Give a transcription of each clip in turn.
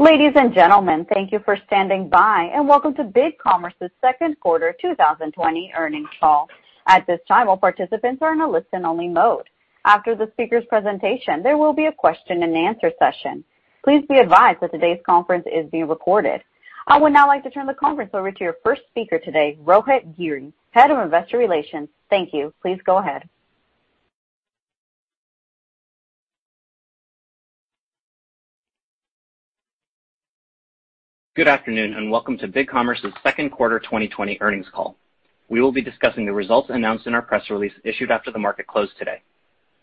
Ladies and gentlemen, thank you for standing by, and welcome to BigCommerce's second quarter 2020 earnings call. At this time, all participants are in a listen-only mode. After the speaker's presentation, there will be a question and answer session. Please be advised that today's conference is being recorded. I would now like to turn the conference over to your first speaker today, Rohit Giri, Head of Investor Relations. Thank you. Please go ahead. Good afternoon, and welcome to BigCommerce's second quarter 2020 earnings call. We will be discussing the results announced in our press release issued after the market closed today.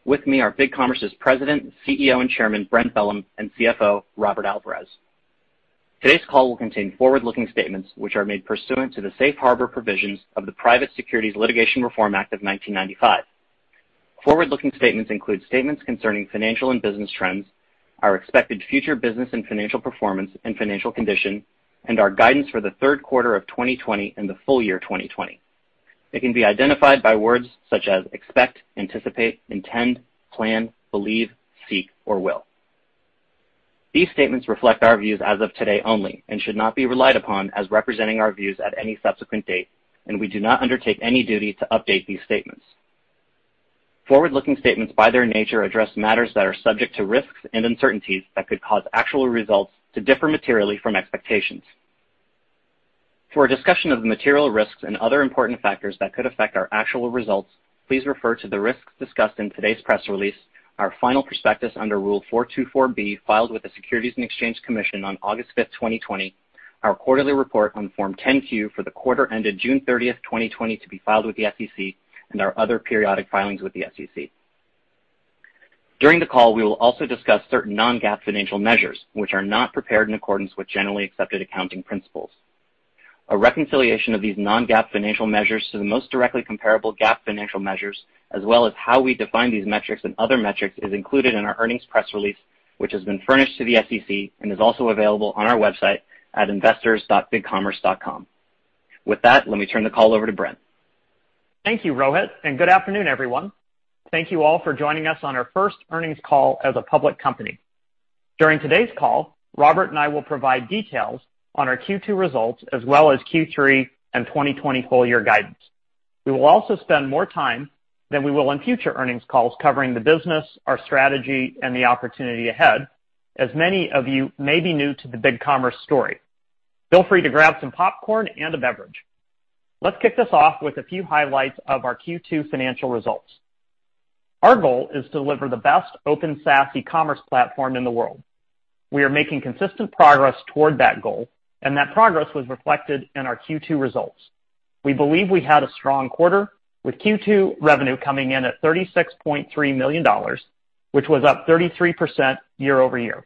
With me are BigCommerce's President, CEO, and Chairman, Brent Bellm, and CFO, Robert Alvarez. Today's call will contain forward-looking statements which are made pursuant to the Safe Harbor Provisions of the Private Securities Litigation Reform Act of 1995. Forward-looking statements include statements concerning financial and business trends, our expected future business and financial performance and financial condition, and our guidance for the third quarter of 2020 and the full year 2020. It can be identified by words such as expect, anticipate, intend, plan, believe, seek, or will. These statements reflect our views as of today only and should not be relied upon as representing our views at any subsequent date, and we do not undertake any duty to update these statements. Forward-looking statements, by their nature, address matters that are subject to risks and uncertainties that could cause actual results to differ materially from expectations. For a discussion of the material risks and other important factors that could affect our actual results, please refer to the risks discussed in today's press release, our final prospectus under Rule 424 filed with the Securities and Exchange Commission on August 5, 2020, our quarterly report on Form 10-Q for the quarter ended June 30, 2020, to be filed with the SEC, and our other periodic filings with the SEC. During the call, we will also discuss certain non-GAAP financial measures, which are not prepared in accordance with generally accepted accounting principles. A reconciliation of these non-GAAP financial measures to the most directly comparable GAAP financial measures, as well as how we define these metrics and other metrics, is included in our earnings press release, which has been furnished to the SEC and is also available on our website at investors.bigcommerce.com. With that, let me turn the call over to Brent. Thank you, Rohit. Good afternoon, everyone. Thank you all for joining us on our first earnings call as a public company. During today's call, Robert and I will provide details on our Q2 results, as well as Q3 and 2020 full-year guidance. We will also spend more time than we will on future earnings calls covering the business, our strategy, and the opportunity ahead, as many of you may be new to the BigCommerce story. Feel free to grab some popcorn and a beverage. Let's kick this off with a few highlights of our Q2 financial results. Our goal is to deliver the best open SaaS e-commerce platform in the world. We are making consistent progress toward that goal, and that progress was reflected in our Q2 results. We believe we had a strong quarter, with Q2 revenue coming in at $36.3 million, which was up 33% year-over-year.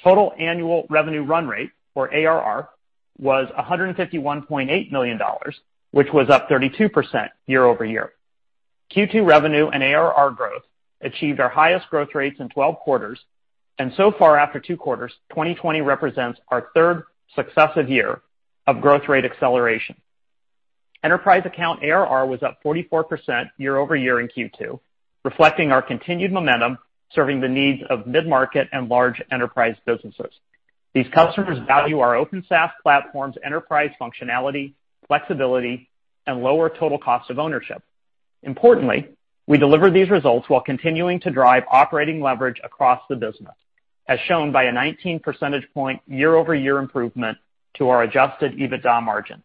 Total annual revenue run rate, or ARR, was $151.8 million, which was up 32% year-over-year. Q2 revenue and ARR growth achieved our highest growth rates in 12 quarters, so far after two quarters, 2020 represents our third successive year of growth rate acceleration. Enterprise account ARR was up 44% year-over-year in Q2, reflecting our continued momentum serving the needs of mid-market and large enterprise businesses. These customers value our open SaaS platform's enterprise functionality, flexibility, and lower total cost of ownership. Importantly, we deliver these results while continuing to drive operating leverage across the business, as shown by a 19 percentage point year-over-year improvement to our adjusted EBITDA margin.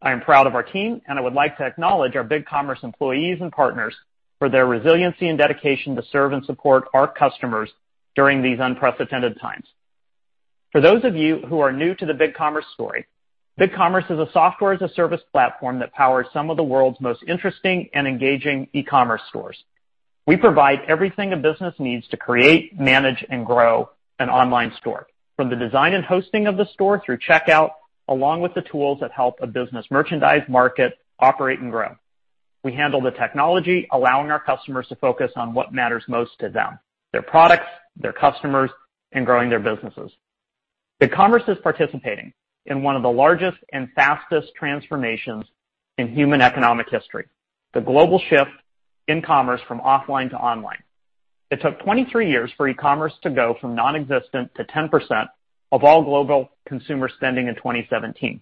I am proud of our team, and I would like to acknowledge our BigCommerce employees and partners for their resiliency and dedication to serve and support our customers during these unprecedented times. For those of you who are new to the BigCommerce story, BigCommerce is a software-as-a-service platform that powers some of the world's most interesting and engaging e-commerce stores. We provide everything a business needs to create, manage, and grow an online store, from the design and hosting of the store through checkout, along with the tools that help a business merchandise market operate and grow. We handle the technology, allowing our customers to focus on what matters most to them, their products, their customers, and growing their businesses. BigCommerce is participating in one of the largest and fastest transformations in human economic history, the global shift in commerce from offline to online. It took 23 years for e-commerce to go from nonexistent to 10% of all global consumer spending in 2017.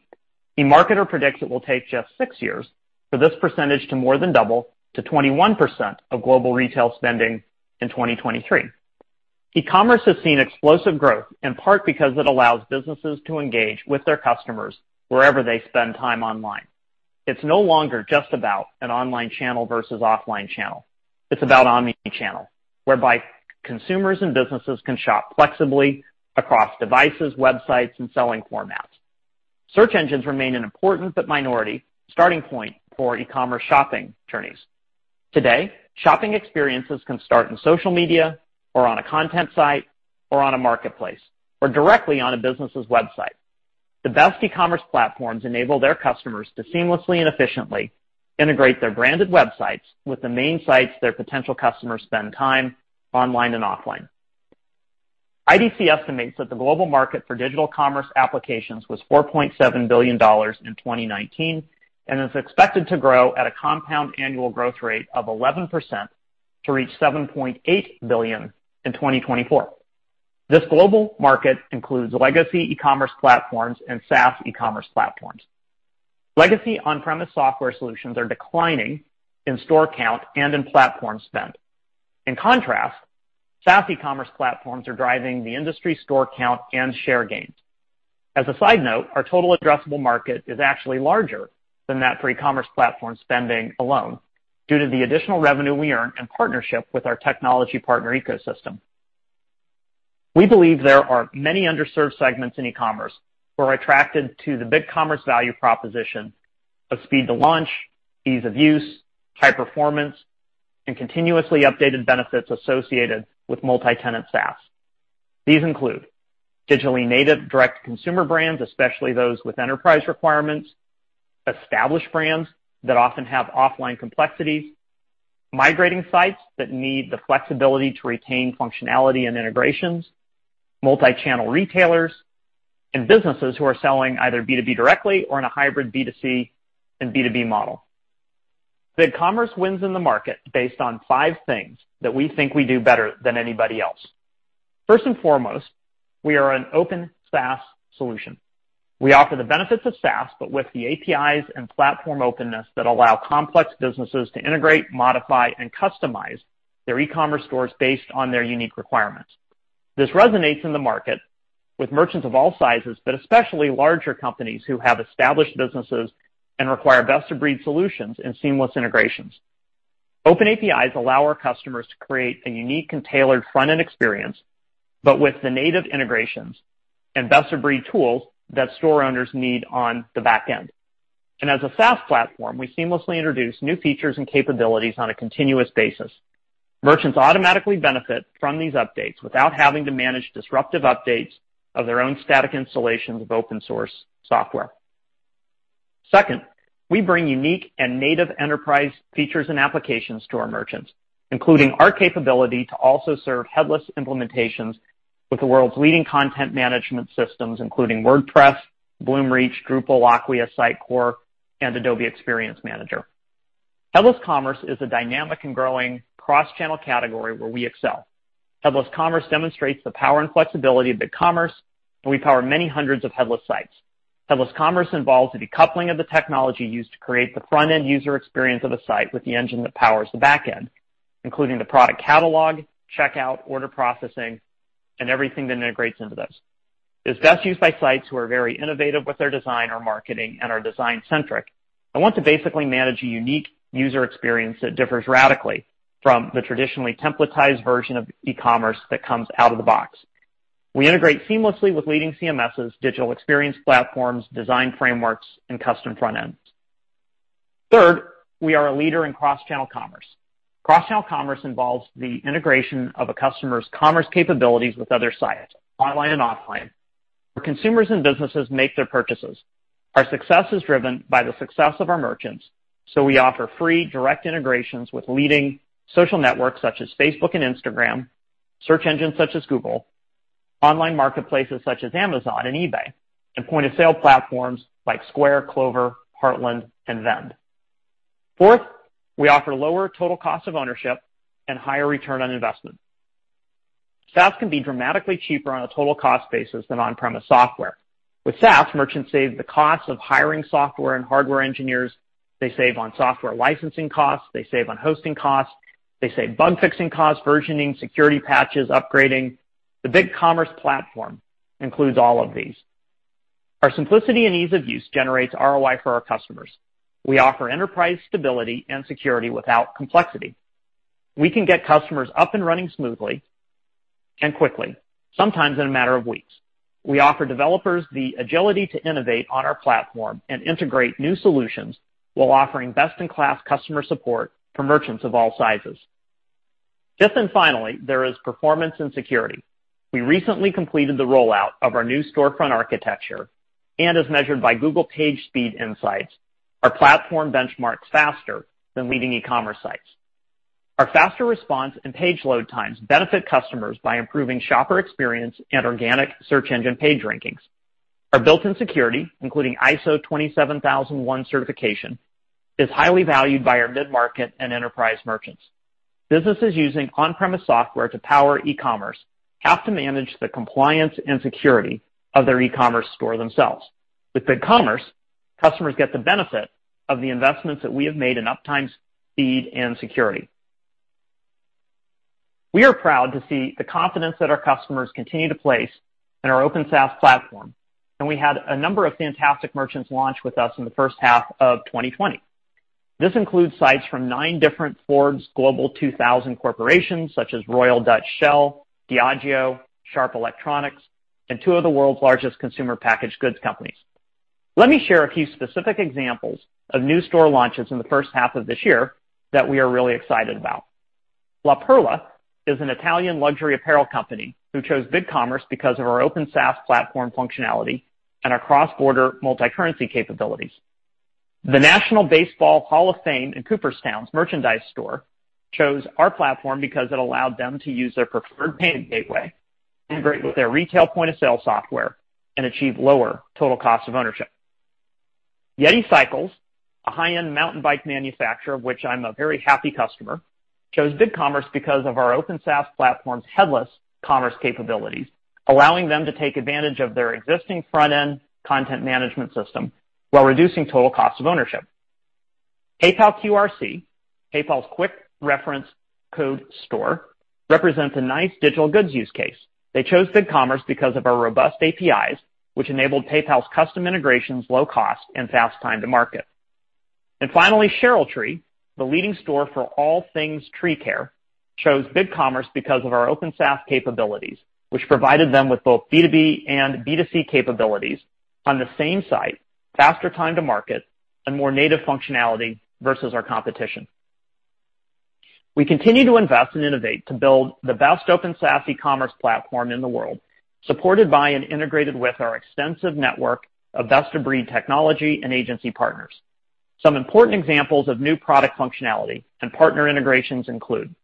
eMarketer predicts it will take just six years for this percentage to more than double to 21% of global retail spending in 2023. E-commerce has seen explosive growth, in part because it allows businesses to engage with their customers wherever they spend time online. It is no longer just about an online channel versus offline channel. It is about omni-channel, whereby consumers and businesses can shop flexibly across devices, websites, and selling formats. Search engines remain an important but minority starting point for e-commerce shopping journeys. Today, shopping experiences can start in social media or on a content site or on a marketplace or directly on a business's website. The best e-commerce platforms enable their customers to seamlessly and efficiently integrate their branded websites with the main sites their potential customers spend time online and offline. IDC estimates that the global market for digital commerce applications was $4.7 billion in 2019 and is expected to grow at a compound annual growth rate of 11% to reach $7.8 billion in 2024. This global market includes legacy e-commerce platforms and SaaS e-commerce platforms. Legacy on-premise software solutions are declining in store count and in platform spend. In contrast, SaaS e-commerce platforms are driving the industry store count and share gains. As a side note, our total addressable market is actually larger than that for e-commerce platform spending alone due to the additional revenue we earn in partnership with our technology partner ecosystem. We believe there are many underserved segments in e-commerce who are attracted to the BigCommerce value proposition of speed to launch, ease of use, high performance, and continuously updated benefits associated with multi-tenant SaaS. These include digitally native direct consumer brands, especially those with enterprise requirements, established brands that often have offline complexities, migrating sites that need the flexibility to retain functionality and integrations, multi-channel retailers, and businesses who are selling either B2B directly or in a hybrid B2C and B2B model. BigCommerce wins in the market based on five things that we think we do better than anybody else. First and foremost, we are an open SaaS solution. We offer the benefits of SaaS, but with the APIs and platform openness that allow complex businesses to integrate, modify, and customize their e-commerce stores based on their unique requirements. This resonates in the market with merchants of all sizes, but especially larger companies who have established businesses and require best-of-breed solutions and seamless integrations. Open APIs allow our customers to create a unique and tailored front-end experience, but with the native integrations and best-of-breed tools that store owners need on the back end. As a SaaS platform, we seamlessly introduce new features and capabilities on a continuous basis. Merchants automatically benefit from these updates without having to manage disruptive updates of their own static installations of open source software. Second, we bring unique and native enterprise features and applications to our merchants, including our capability to also serve headless implementations with the world's leading content management systems, including WordPress, Bloomreach, Drupal, Acquia, Sitecore, and Adobe Experience Manager. Headless commerce is a dynamic and growing cross-channel category where we excel. Headless commerce demonstrates the power and flexibility of BigCommerce, and we power many hundreds of headless sites. Headless commerce involves the decoupling of the technology used to create the front-end user experience of a site with the engine that powers the back end, including the product catalog, checkout, order processing, and everything that integrates into those. It's best used by sites who are very innovative with their design or marketing and are design-centric and want to basically manage a unique user experience that differs radically from the traditionally templatized version of ecommerce that comes out of the box. We integrate seamlessly with leading CMSs, digital experience platforms, design frameworks, and custom front ends. Third, we are a leader in cross-channel commerce. Cross-channel commerce involves the integration of a customer's commerce capabilities with other sites, online and offline, where consumers and businesses make their purchases. Our success is driven by the success of our merchants, so we offer free direct integrations with leading social networks such as Facebook and Instagram, search engines such as Google, online marketplaces such as Amazon and eBay, and point-of-sale platforms like Square, Clover, Heartland, and Vend. Fourth, we offer lower total cost of ownership and higher return on investment. SaaS can be dramatically cheaper on a total cost basis than on-premise software. With SaaS, merchants save the cost of hiring software and hardware engineers, they save on software licensing costs, they save on hosting costs, they save bug-fixing costs, versioning, security patches, upgrading. The BigCommerce platform includes all of these. Our simplicity and ease of use generates ROI for our customers. We offer enterprise stability and security without complexity. We can get customers up and running smoothly and quickly, sometimes in a matter of weeks. We offer developers the agility to innovate on our platform and integrate new solutions while offering best-in-class customer support for merchants of all sizes. Fifth and finally, there is performance and security. We recently completed the rollout of our new storefront architecture, and as measured by Google PageSpeed Insights, our platform benchmarks faster than leading ecommerce sites. Our faster response and page load times benefit customers by improving shopper experience and organic search engine page rankings. Our built-in security, including ISO 27001 certification, is highly valued by our mid-market and enterprise merchants. Businesses using on-premise software to power ecommerce have to manage the compliance and security of their ecommerce store themselves. With BigCommerce, customers get the benefit of the investments that we have made in uptime, speed, and security. We are proud to see the confidence that our customers continue to place in our open SaaS platform, and we had a number of fantastic merchants launch with us in the first half of 2020. This includes sites from nine different Forbes Global 2000 corporations such as Royal Dutch Shell, Diageo, Sharp Electronics, and two of the world's largest consumer packaged goods companies. Let me share a few specific examples of new store launches in the first half of this year that we are really excited about. La Perla is an Italian luxury apparel company who chose BigCommerce because of our open SaaS platform functionality and our cross-border multi-currency capabilities. The National Baseball Hall of Fame in Cooperstown's merchandise store chose our platform because it allowed them to use their preferred payment gateway, integrate with their retail point-of-sale software, and achieve lower total cost of ownership. Yeti Cycles, a high-end mountain bike manufacturer, of which I'm a very happy customer, chose BigCommerce because of our open SaaS platform's headless commerce capabilities, allowing them to take advantage of their existing front-end content management system while reducing total cost of ownership. PayPal QRC, PayPal's Quick Reference Code store, represents a nice digital goods use case. They chose BigCommerce because of our robust APIs, which enabled PayPal's custom integrations, low cost, and fast time to market. Finally, Sherrilltree, the leading store for all things tree care, chose BigCommerce because of our open SaaS capabilities, which provided them with both B2B and B2C capabilities on the same site, faster time to market, and more native functionality versus our competition. We continue to invest and innovate to build the best open SaaS e-commerce platform in the world, supported by and integrated with our extensive network of best-of-breed technology and agency partners. Some important examples of new product functionality and partner integrations include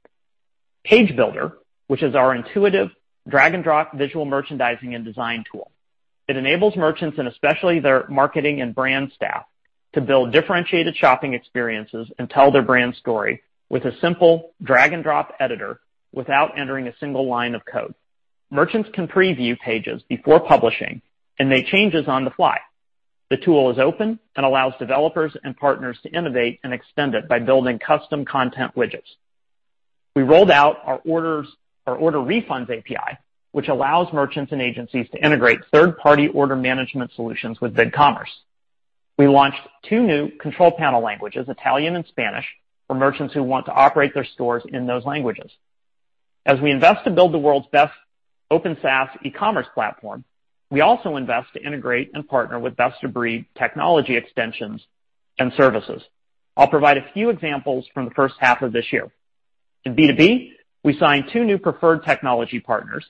Page Builder, which is our intuitive drag-and-drop visual merchandising and design tool. It enables merchants, and especially their marketing and brand staff, to build differentiated shopping experiences and tell their brand story with a simple drag-and-drop editor without entering a single line of code. Merchants can preview pages before publishing and make changes on the fly. The tool is open and allows developers and partners to innovate and extend it by building custom content widgets. We rolled out our order refunds API, which allows merchants and agencies to integrate third-party order management solutions with BigCommerce. We launched two new control panel languages, Italian and Spanish, for merchants who want to operate their stores in those languages. As we invest to build the world's best open SaaS e-commerce platform, we also invest to integrate and partner with best-of-breed technology extensions and services. I'll provide a few examples from the first half of this year. In B2B, we signed two new preferred technology partners.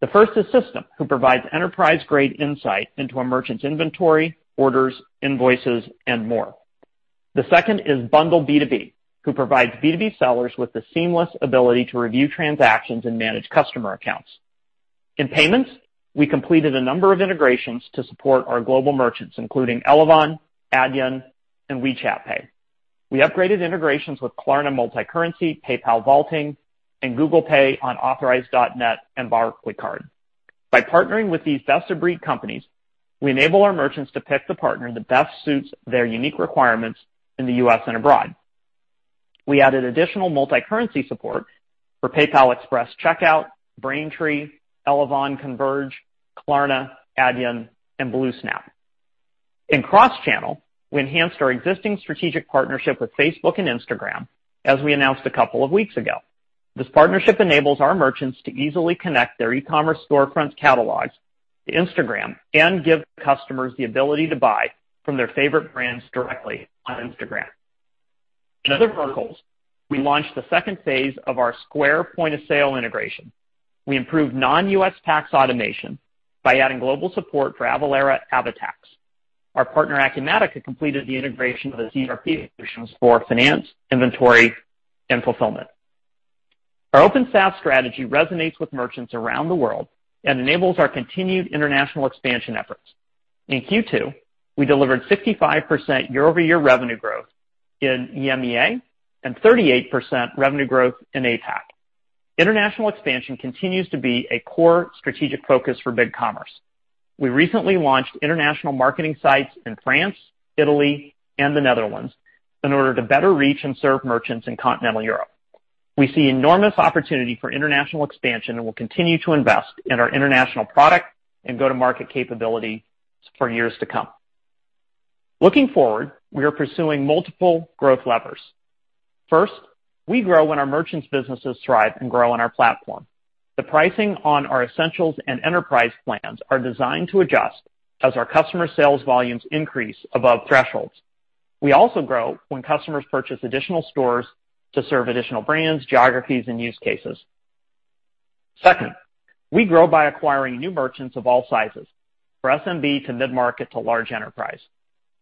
The first is Systum, who provides enterprise-grade insight into a merchant's inventory, orders, invoices, and more. The second is BundleB2B, who provides B2B sellers with the seamless ability to review transactions and manage customer accounts. In payments, we completed a number of integrations to support our global merchants, including Elavon, Adyen, and WeChat Pay. We upgraded integrations with Klarna Multicurrency, PayPal Vaulting, and Google Pay on Authorize.net and Barclaycard. By partnering with these best-of-breed companies, we enable our merchants to pick the partner that best suits their unique requirements in the U.S. and abroad. We added additional multi-currency support for PayPal Express Checkout, Braintree, Elavon, Converge, Klarna, Adyen, and BlueSnap. In cross-channel, we enhanced our existing strategic partnership with Facebook and Instagram, as we announced a couple of weeks ago. This partnership enables our merchants to easily connect their e-commerce storefronts catalogs to Instagram and give customers the ability to buy from their favorite brands directly on Instagram. In other verticals, we launched the second phase of our Square point-of-sale integration. We improved non-U.S. tax automation by adding global support for Avalara AvaTax. Our partner, Acumatica, completed the integration of the ERP solutions for finance, inventory, and fulfillment. Our open SaaS strategy resonates with merchants around the world and enables our continued international expansion efforts. In Q2, we delivered 55% year-over-year revenue growth in EMEA and 38% revenue growth in APAC. International expansion continues to be a core strategic focus for BigCommerce. We recently launched international marketing sites in France, Italy, and the Netherlands in order to better reach and serve merchants in continental Europe. We see enormous opportunity for international expansion and will continue to invest in our international product and go-to-market capability for years to come. Looking forward, we are pursuing multiple growth levers. First, we grow when our merchants' businesses thrive and grow on our platform. The pricing on our Essentials and Enterprise plans are designed to adjust as our customer sales volumes increase above thresholds. We also grow when customers purchase additional stores to serve additional brands, geographies, and use cases. Second, we grow by acquiring new merchants of all sizes, from SMB to mid-market to large enterprise.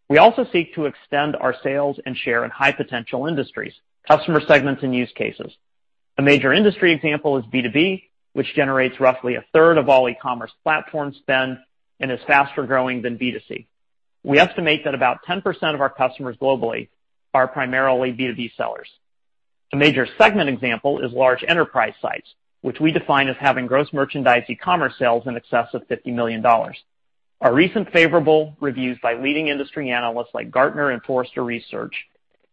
We also seek to extend our sales and share in high-potential industries, customer segments, and use cases. A major industry example is B2B, which generates roughly a third of all e-commerce platform spend and is faster-growing than B2C. We estimate that about 10% of our customers globally are primarily B2B sellers. A major segment example is large enterprise sites, which we define as having gross merchandise e-commerce sales in excess of $50 million. Our recent favorable reviews by leading industry analysts like Gartner and Forrester Research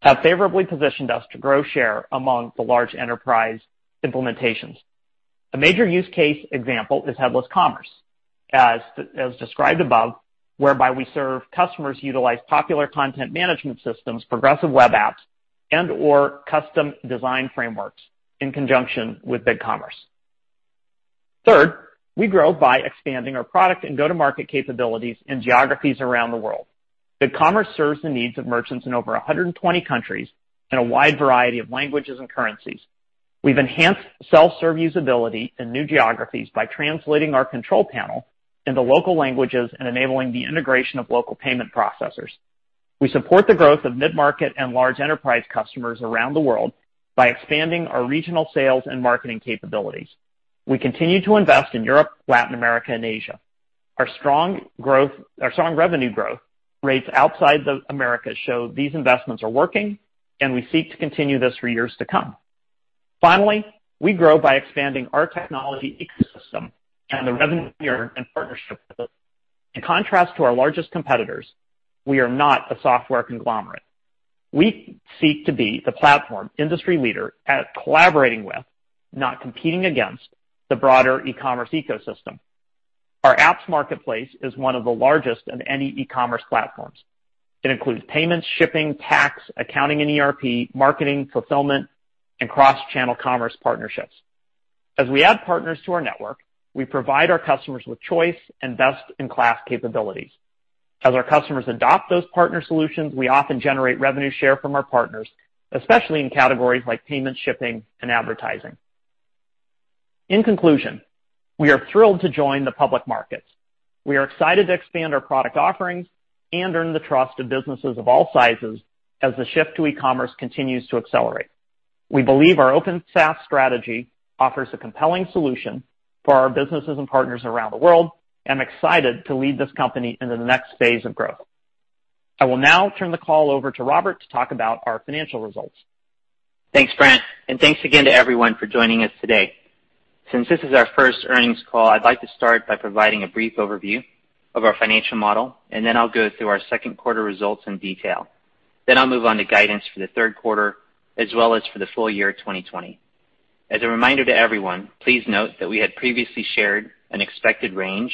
have favorably positioned us to grow share among the large enterprise implementations. A major use case example is headless commerce, as described above, whereby we serve customers utilize popular content management systems, progressive web apps, and/or custom design frameworks in conjunction with BigCommerce. We grow by expanding our product and go-to-market capabilities in geographies around the world. BigCommerce serves the needs of merchants in over 120 countries in a wide variety of languages and currencies. We've enhanced self-serve usability in new geographies by translating our control panel into local languages and enabling the integration of local payment processors. We support the growth of mid-market and large enterprise customers around the world by expanding our regional sales and marketing capabilities. We continue to invest in Europe, Latin America, and Asia. Our strong revenue growth rates outside the Americas show these investments are working, and we seek to continue this for years to come. Finally, we grow by expanding our technology ecosystem and the revenue earned in partnership. In contrast to our largest competitors, we are not a software conglomerate. We seek to be the platform industry leader at collaborating with, not competing against, the broader e-commerce ecosystem. Our apps marketplace is one of the largest of any e-commerce platforms. It includes payments, shipping, tax, accounting and ERP, marketing, fulfillment, and cross-channel commerce partnerships. As we add partners to our network, we provide our customers with choice and best-in-class capabilities. As our customers adopt those partner solutions, we often generate revenue share from our partners, especially in categories like payment, shipping, and advertising. In conclusion, we are thrilled to join the public markets. We are excited to expand our product offerings and earn the trust of businesses of all sizes as the shift to e-commerce continues to accelerate. We believe our open SaaS strategy offers a compelling solution for our businesses and partners around the world and we are excited to lead this company into the next phase of growth. I will now turn the call over to Robert to talk about our financial results. Thanks, Brent, and thanks again to everyone for joining us today. Since this is our first earnings call, I'd like to start by providing a brief overview of our financial model, and then I'll go through our second quarter results in detail. I'll move on to guidance for the third quarter as well as for the full year 2020. As a reminder to everyone, please note that we had previously shared an expected range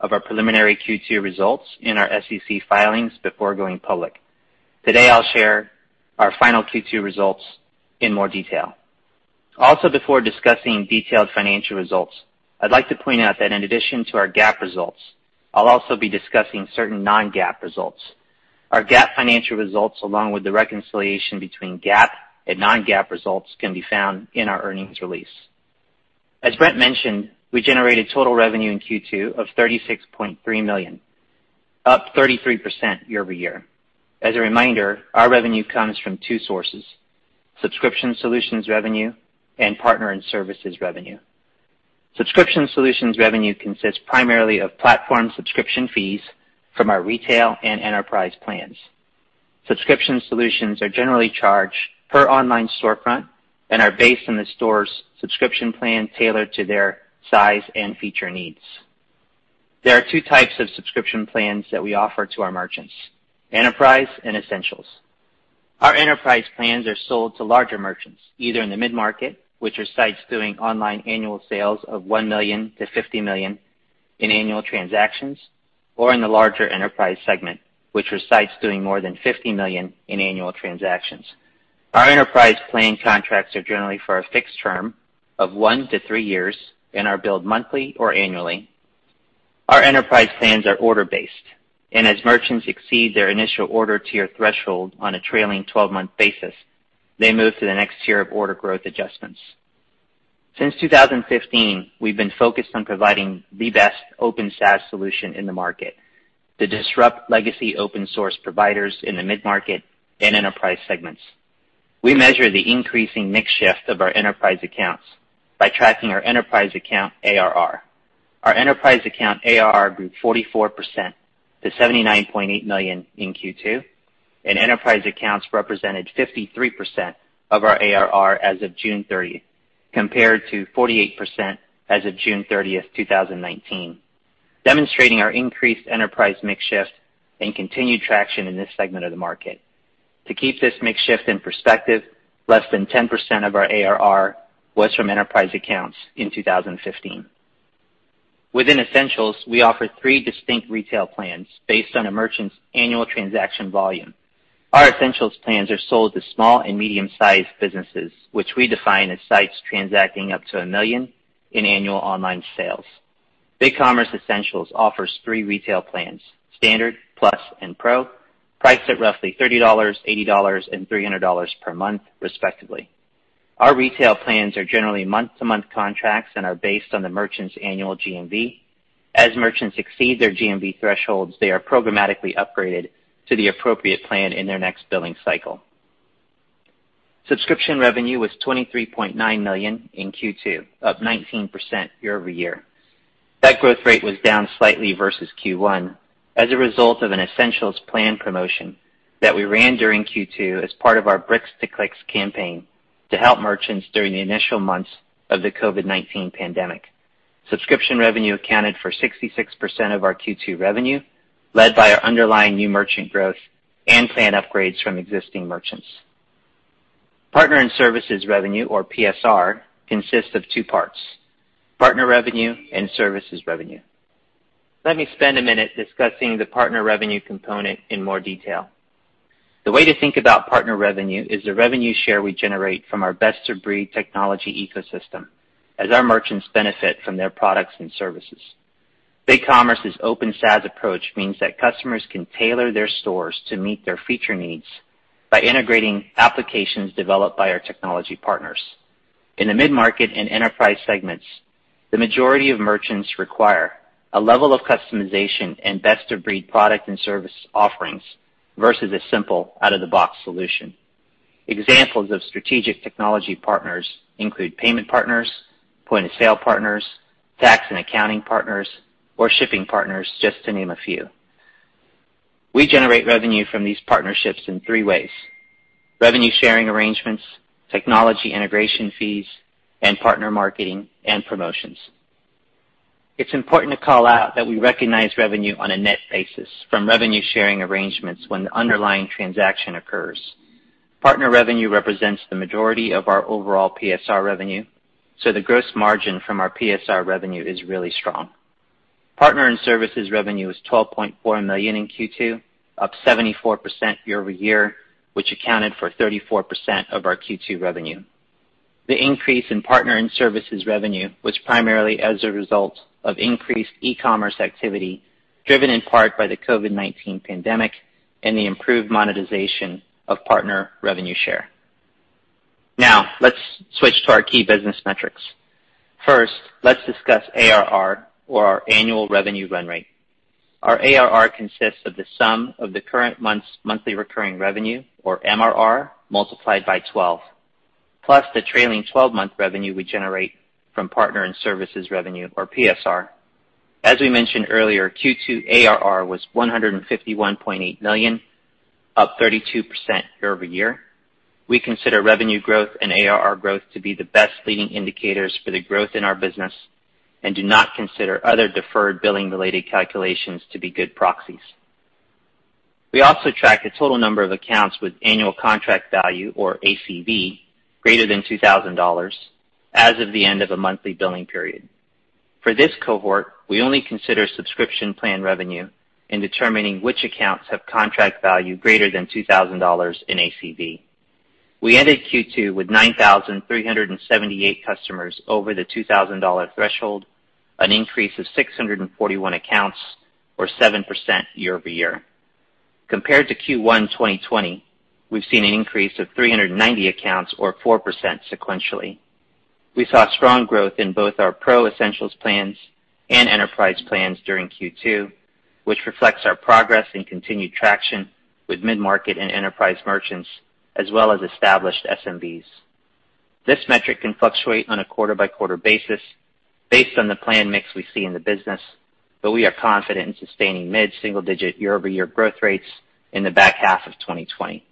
of our preliminary Q2 results in our SEC filings before going public. Today, I'll share our final Q2 results in more detail. Before discussing detailed financial results, I'd like to point out that in addition to our GAAP results, I'll also be discussing certain non-GAAP results. Our GAAP financial results, along with the reconciliation between GAAP and non-GAAP results, can be found in our earnings release. As Brent mentioned, we generated total revenue in Q2 of $36.3 million, up 33% year-over-year. As a reminder, our revenue comes from two sources, subscription solutions revenue and partner and services revenue. Subscription solutions are generally charged per online storefront and are based on the store's subscription plan tailored to their size and feature needs. There are two types of subscription plans that we offer to our merchants, Enterprise and Essentials. Our Enterprise plans are sold to larger merchants, either in the mid-market, which are sites doing online annual sales of $1 million-$50 million in annual transactions, or in the larger enterprise segment, which are sites doing more than $50 million in annual transactions. Our Enterprise plan contracts are generally for a fixed term of one to three years and are billed monthly or annually. Our Enterprise plans are order-based, and as merchants exceed their initial order tier threshold on a trailing 12-month basis, they move to the next tier of order growth adjustments. Since 2015, we've been focused on providing the best open SaaS solution in the market to disrupt legacy open source providers in the mid-market and enterprise segments. We measure the increasing mix shift of our enterprise accounts by tracking our enterprise account ARR. Our enterprise account ARR grew 44% to $79.8 million in Q2, and enterprise accounts represented 53% of our ARR as of June 30th, compared to 48% as of June 30th, 2019, demonstrating our increased enterprise mix shift and continued traction in this segment of the market. To keep this mix shift in perspective, less than 10% of our ARR was from enterprise accounts in 2015. Within Essentials, we offer three distinct retail plans based on a merchant's annual transaction volume. Our Essentials plans are sold to small and medium-sized businesses, which we define as sites transacting up to $1 million in annual online sales. BigCommerce Essentials offers three retail plans, Standard, Plus, and Pro, priced at roughly $30, $80, and $300 per month, respectively. Our retail plans are generally month-to-month contracts and are based on the merchant's annual GMV. As merchants exceed their GMV thresholds, they are programmatically upgraded to the appropriate plan in their next billing cycle. Subscription revenue was $23.9 million in Q2, up 19% year-over-year. That growth rate was down slightly versus Q1 as a result of an Essentials plan promotion that we ran during Q2 as part of our Bricks to Clicks campaign to help merchants during the initial months of the COVID-19 pandemic. Subscription revenue accounted for 66% of our Q2 revenue, led by our underlying new merchant growth and plan upgrades from existing merchants. Partner and services revenue, or PSR, consists of two parts, partner revenue and services revenue. Let me spend a minute discussing the partner revenue component in more detail. The way to think about partner revenue is the revenue share we generate from our best-of-breed technology ecosystem as our merchants benefit from their products and services. BigCommerce's open SaaS approach means that customers can tailor their stores to meet their feature needs by integrating applications developed by our technology partners. In the mid-market and enterprise segments, the majority of merchants require a level of customization and best-of-breed product and service offerings versus a simple out-of-the-box solution. Examples of strategic technology partners include payment partners, point-of-sale partners, tax and accounting partners, or shipping partners, just to name a few. We generate revenue from these partnerships in three ways: revenue sharing arrangements, technology integration fees, and partner marketing and promotions. It's important to call out that we recognize revenue on a net basis from revenue sharing arrangements when the underlying transaction occurs. Partner revenue represents the majority of our overall PSR revenue. The gross margin from our PSR revenue is really strong. Partner and services revenue is $12.4 million in Q2, up 74% year-over-year, which accounted for 34% of our Q2 revenue. The increase in partner and services revenue was primarily as a result of increased e-commerce activity, driven in part by the COVID-19 pandemic and the improved monetization of partner revenue share. Let's switch to our key business metrics. First, let's discuss ARR, or our annual revenue run rate. Our ARR consists of the sum of the current month's monthly recurring revenue, or MRR, multiplied by 12x, plus the trailing 12-month revenue we generate from partner and services revenue or PSR. As we mentioned earlier, Q2 ARR was $151.8 million, up 32% year-over-year. We consider revenue growth and ARR growth to be the best leading indicators for the growth in our business and do not consider other deferred billing-related calculations to be good proxies. We also track the total number of accounts with annual contract value, or ACV, greater than $2,000 as of the end of a monthly billing period. For this cohort, we only consider subscription plan revenue in determining which accounts have contract value greater than $2,000 in ACV. We ended Q2 with 9,378 customers over the $2,000 threshold, an increase of 641 accounts or 7% year-over-year. Compared to Q1 2020, we've seen an increase of 390 accounts or 4% sequentially. We saw strong growth in both our Pro Essentials plans and Enterprise plans during Q2, which reflects our progress and continued traction with mid-market and Enterprise merchants, as well as established SMBs. This metric can fluctuate on a quarter-by-quarter basis based on the plan mix we see in the business, but we are confident in sustaining mid-single-digit year-over-year growth rates in the back half of 2020.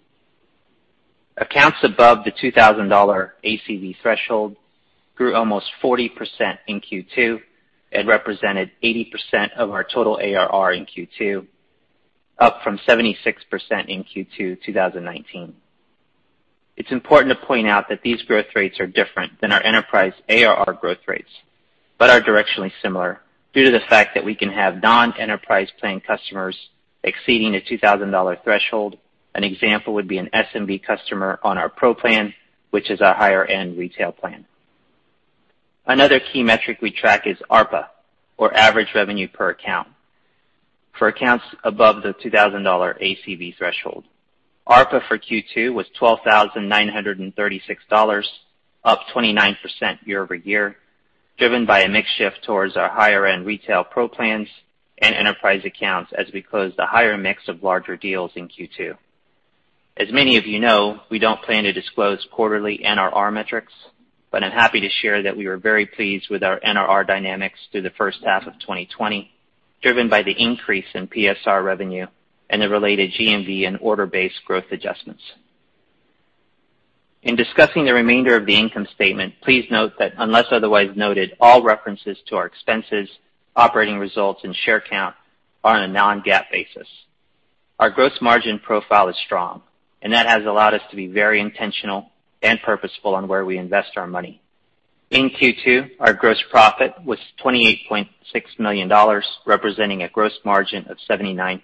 Accounts above the $2,000 ACV threshold grew almost 40% in Q2 and represented 80% of our total ARR in Q2, up from 76% in Q2 2019. It's important to point out that these growth rates are different than our enterprise ARR growth rates, but are directionally similar due to the fact that we can have non-enterprise plan customers exceeding a $2,000 threshold. An example would be an SMB customer on our pro plan, which is our higher-end retail plan. Another key metric we track is ARPA, or average revenue per account, for accounts above the $2,000 ACV threshold. ARPA for Q2 was $12,936, up 29% year-over-year, driven by a mix shift towards our higher-end retail pro plans and enterprise accounts as we closed a higher mix of larger deals in Q2. As many of you know, we don't plan to disclose quarterly NRR metrics, but I'm happy to share that we were very pleased with our NRR dynamics through the first half of 2020, driven by the increase in PSR revenue and the related GMV and order-based growth adjustments. In discussing the remainder of the income statement, please note that unless otherwise noted, all references to our expenses, operating results, and share count are on a non-GAAP basis. Our gross margin profile is strong, and that has allowed us to be very intentional and purposeful on where we invest our money. In Q2, our gross profit was $28.6 million, representing a gross margin of 79%.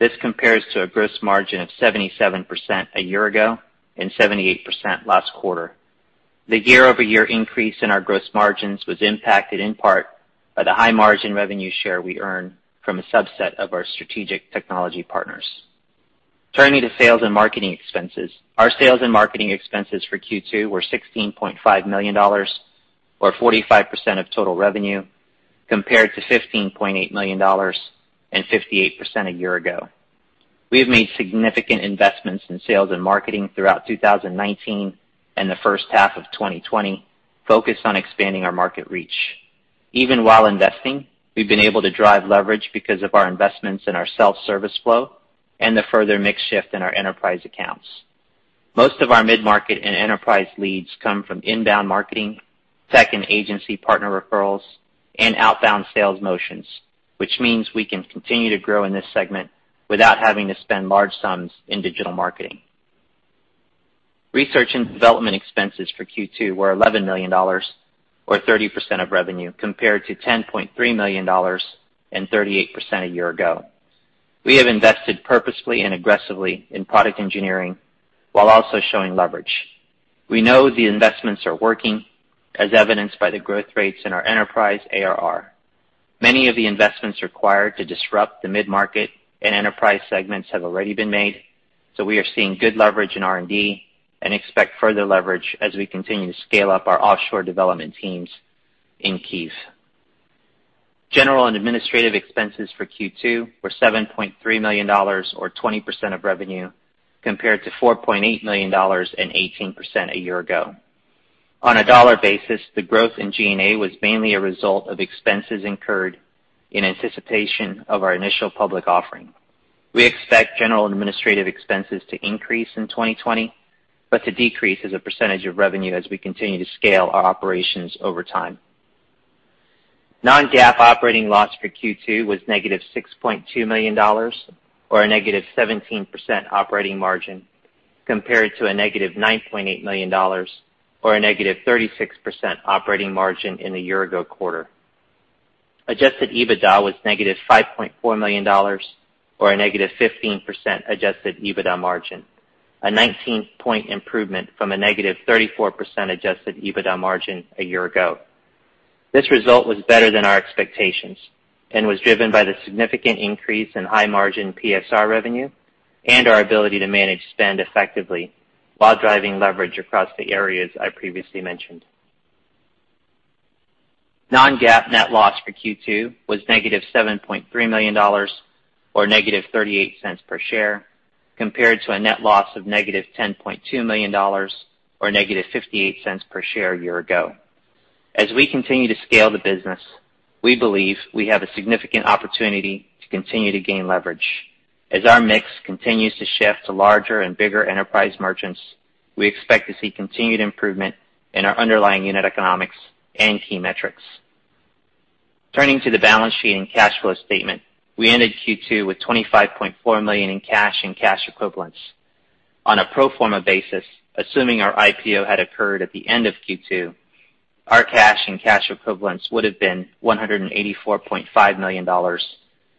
This compares to a gross margin of 77% a year ago and 78% last quarter. The year-over-year increase in our gross margins was impacted in part by the high-margin revenue share we earn from a subset of our strategic technology partners. Turning to sales and marketing expenses. Our sales and marketing expenses for Q2 were $16.5 million or 45% of total revenue, compared to $15.8 million and 58% a year ago. We have made significant investments in sales and marketing throughout 2019 and the first half of 2020, focused on expanding our market reach. Even while investing, we've been able to drive leverage because of our investments in our self-service flow and the further mix shift in our enterprise accounts. Most of our mid-market and enterprise leads come from inbound marketing, tech and agency partner referrals, and outbound sales motions, which means we can continue to grow in this segment without having to spend large sums in digital marketing. Research and development expenses for Q2 were $11 million or 30% of revenue, compared to $10.3 million and 38% a year ago. We have invested purposefully and aggressively in product engineering while also showing leverage. We know the investments are working, as evidenced by the growth rates in our enterprise ARR. Many of the investments required to disrupt the mid-market and enterprise segments have already been made, so we are seeing good leverage in R&D and expect further leverage as we continue to scale up our offshore development teams in Kyiv. General and administrative expenses for Q2 were $7.3 million, or 20% of revenue, compared to $4.8 million and 18% a year ago. On a dollar basis, the growth in G&A was mainly a result of expenses incurred in anticipation of our initial public offering. We expect general administrative expenses to increase in 2020, but to decrease as a percentage of revenue as we continue to scale our operations over time. Non-GAAP operating loss for Q2 was -$6.2 million, or a -17% operating margin, compared to -$9.8 million, or a -36% operating margin in the year ago quarter. Adjusted EBITDA was -$5.4 million, or a -15% adjusted EBITDA margin, a 19-point improvement from a -34% adjusted EBITDA margin a year ago. This result was better than our expectations and was driven by the significant increase in high-margin PSR revenue and our ability to manage spend effectively while driving leverage across the areas I previously mentioned. Non-GAAP net loss for Q2 was -$7.3 million or -$0.38 per share, compared to a net loss of -$10.2 million or negative $0.58 per share a year ago. As we continue to scale the business, we believe we have a significant opportunity to continue to gain leverage. As our mix continues to shift to larger and bigger enterprise merchants, we expect to see continued improvement in our underlying unit economics and key metrics. Turning to the balance sheet and cash flow statement, we ended Q2 with $25.4 million in cash and cash equivalents. On a pro forma basis, assuming our IPO had occurred at the end of Q2, our cash and cash equivalents would have been $184.5 million,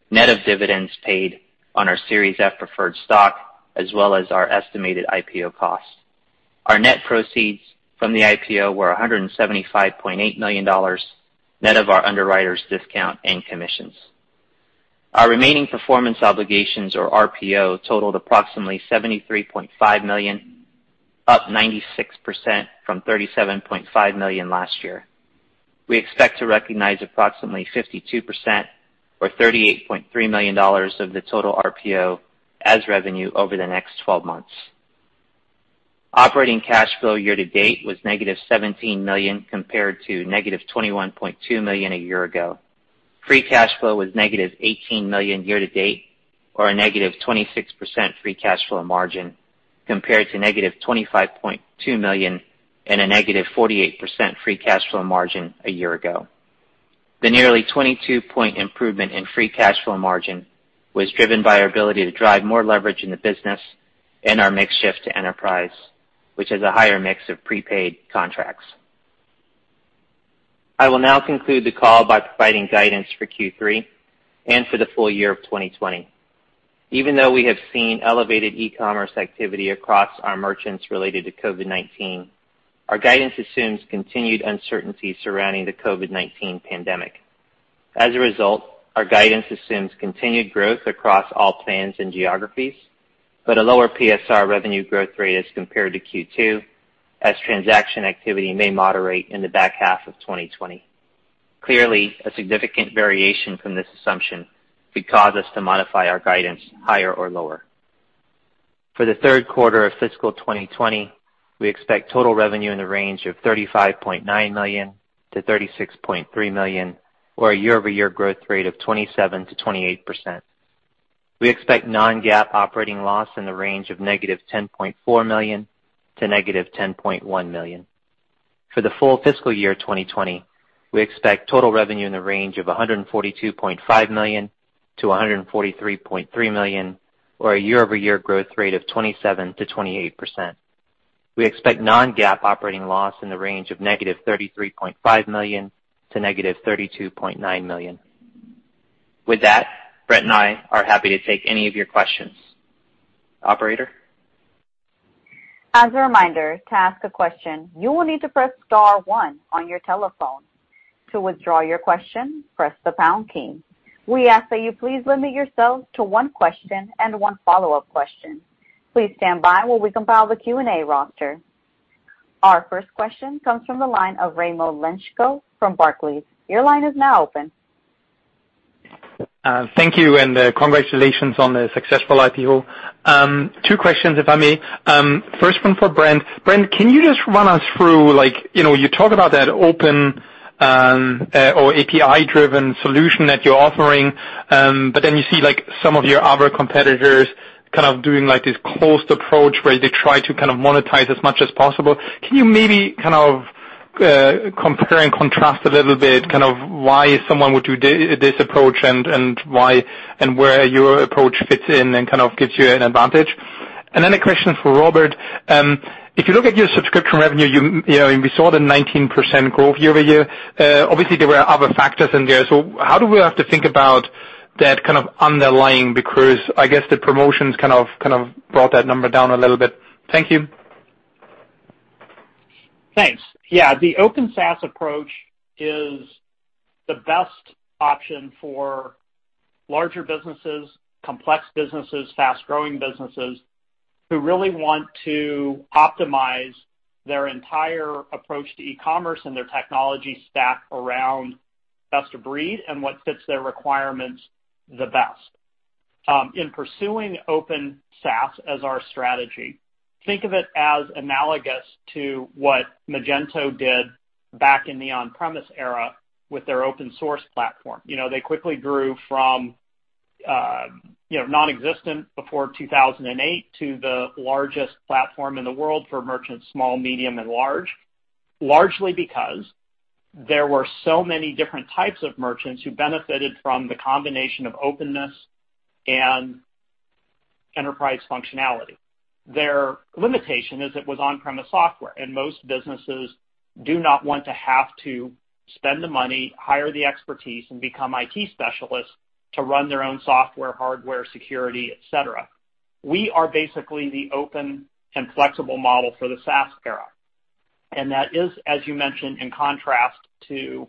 net of dividends paid on our Series F preferred stock, as well as our estimated IPO cost. Our net proceeds from the IPO were $175.8 million, net of our underwriter's discount and commissions. Our remaining performance obligations, or RPO, totaled approximately $73.5 million, up 96% from $37.5 million last year. We expect to recognize approximately 52%, or $38.3 million of the total RPO as revenue over the next 12 months. Operating cash flow year to date was negative $17 million compared to negative $21.2 million a year ago. Free cash flow was negative $18 million year to date, or a negative 26% free cash flow margin compared to negative $25.2 million and a negative 48% free cash flow margin a year ago. The nearly 22-point improvement in free cash flow margin was driven by our ability to drive more leverage in the business and our mix shift to enterprise, which has a higher mix of prepaid contracts. I will now conclude the call by providing guidance for Q3 and for the full year of 2020. Even though we have seen elevated e-commerce activity across our merchants related to COVID-19, our guidance assumes continued uncertainty surrounding the COVID-19 pandemic. Our guidance assumes continued growth across all plans and geographies, but a lower PSR revenue growth rate as compared to Q2 as transaction activity may moderate in the back half of 2020. A significant variation from this assumption could cause us to modify our guidance higher or lower. For the third quarter of fiscal 2020, we expect total revenue in the range of $35.9 million-$36.3 million, or a year-over-year growth rate of 27%-28%. We expect non-GAAP operating loss in the range of negative $10.4 million to negative $10.1 million. For the full fiscal year 2020, we expect total revenue in the range of $142.5 million-$143.3 million, or a year-over-year growth rate of 27%-28%. We expect non-GAAP operating loss in the range of negative $33.5 million to negative $32.9 million. With that, Brent and I are happy to take any of your questions. Operator? As a reminder, to ask a question, you will need to press star one on your telephone. To withdraw your question, press the pound key. We ask that you please limit yourself to one question and one follow-up question. Please stand by while we compile the Q&A roster. Our first question comes from the line of Raimo Lenschow from Barclays. Your line is now open. Thank you. Congratulations on the successful IPO. Two questions, if I may. First one for Brent. Brent, can you just run us through, you talk about that open or API-driven solution that you're offering, but then you see some of your other competitors kind of doing this closed approach where they try to kind of monetize as much as possible. Can you maybe compare and contrast a little bit why someone would do this approach and where your approach fits in and kind of gives you an advantage? Then a question for Robert. If you look at your subscription revenue, and we saw the 19% growth year-over-year, obviously there were other factors in there. How do we have to think about that kind of underlying because I guess the promotions kind of brought that number down a little bit. Thank you. Thanks. Yeah, the open SaaS approach is the best option for larger businesses, complex businesses, fast-growing businesses who really want to optimize their entire approach to e-commerce and their technology stack around best of breed and what fits their requirements the best. In pursuing open SaaS as our strategy, think of it as analogous to what Magento did back in the on-premise era with their open source platform. They quickly grew from non-existent before 2008 to the largest platform in the world for merchants, small, medium, and large, largely because there were so many different types of merchants who benefited from the combination of openness and enterprise functionality. Their limitation is it was on-premise software. Most businesses do not want to have to spend the money, hire the expertise, and become IT specialists to run their own software, hardware, security, et cetera. We are basically the open and flexible model for the SaaS era. That is, as you mentioned, in contrast to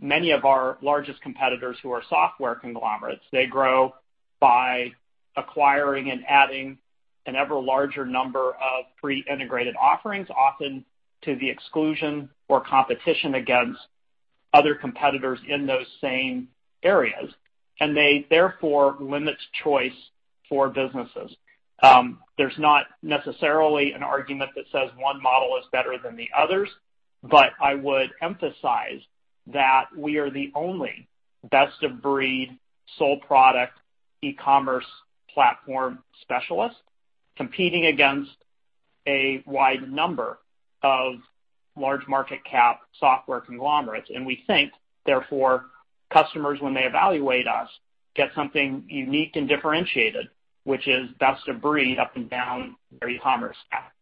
many of our largest competitors who are software conglomerates. They grow by acquiring and adding an ever larger number of pre-integrated offerings, often to the exclusion or competition against other competitors in those same areas. They, therefore, limit choice for businesses. There's not necessarily an argument that says one model is better than the others, but I would emphasize that we are the only best-of-breed sole product e-commerce platform specialist competing against a wide number of large market cap software conglomerates. We think, therefore, customers, when they evaluate us, get something unique and differentiated, which is best of breed up and down their e-commerce stack.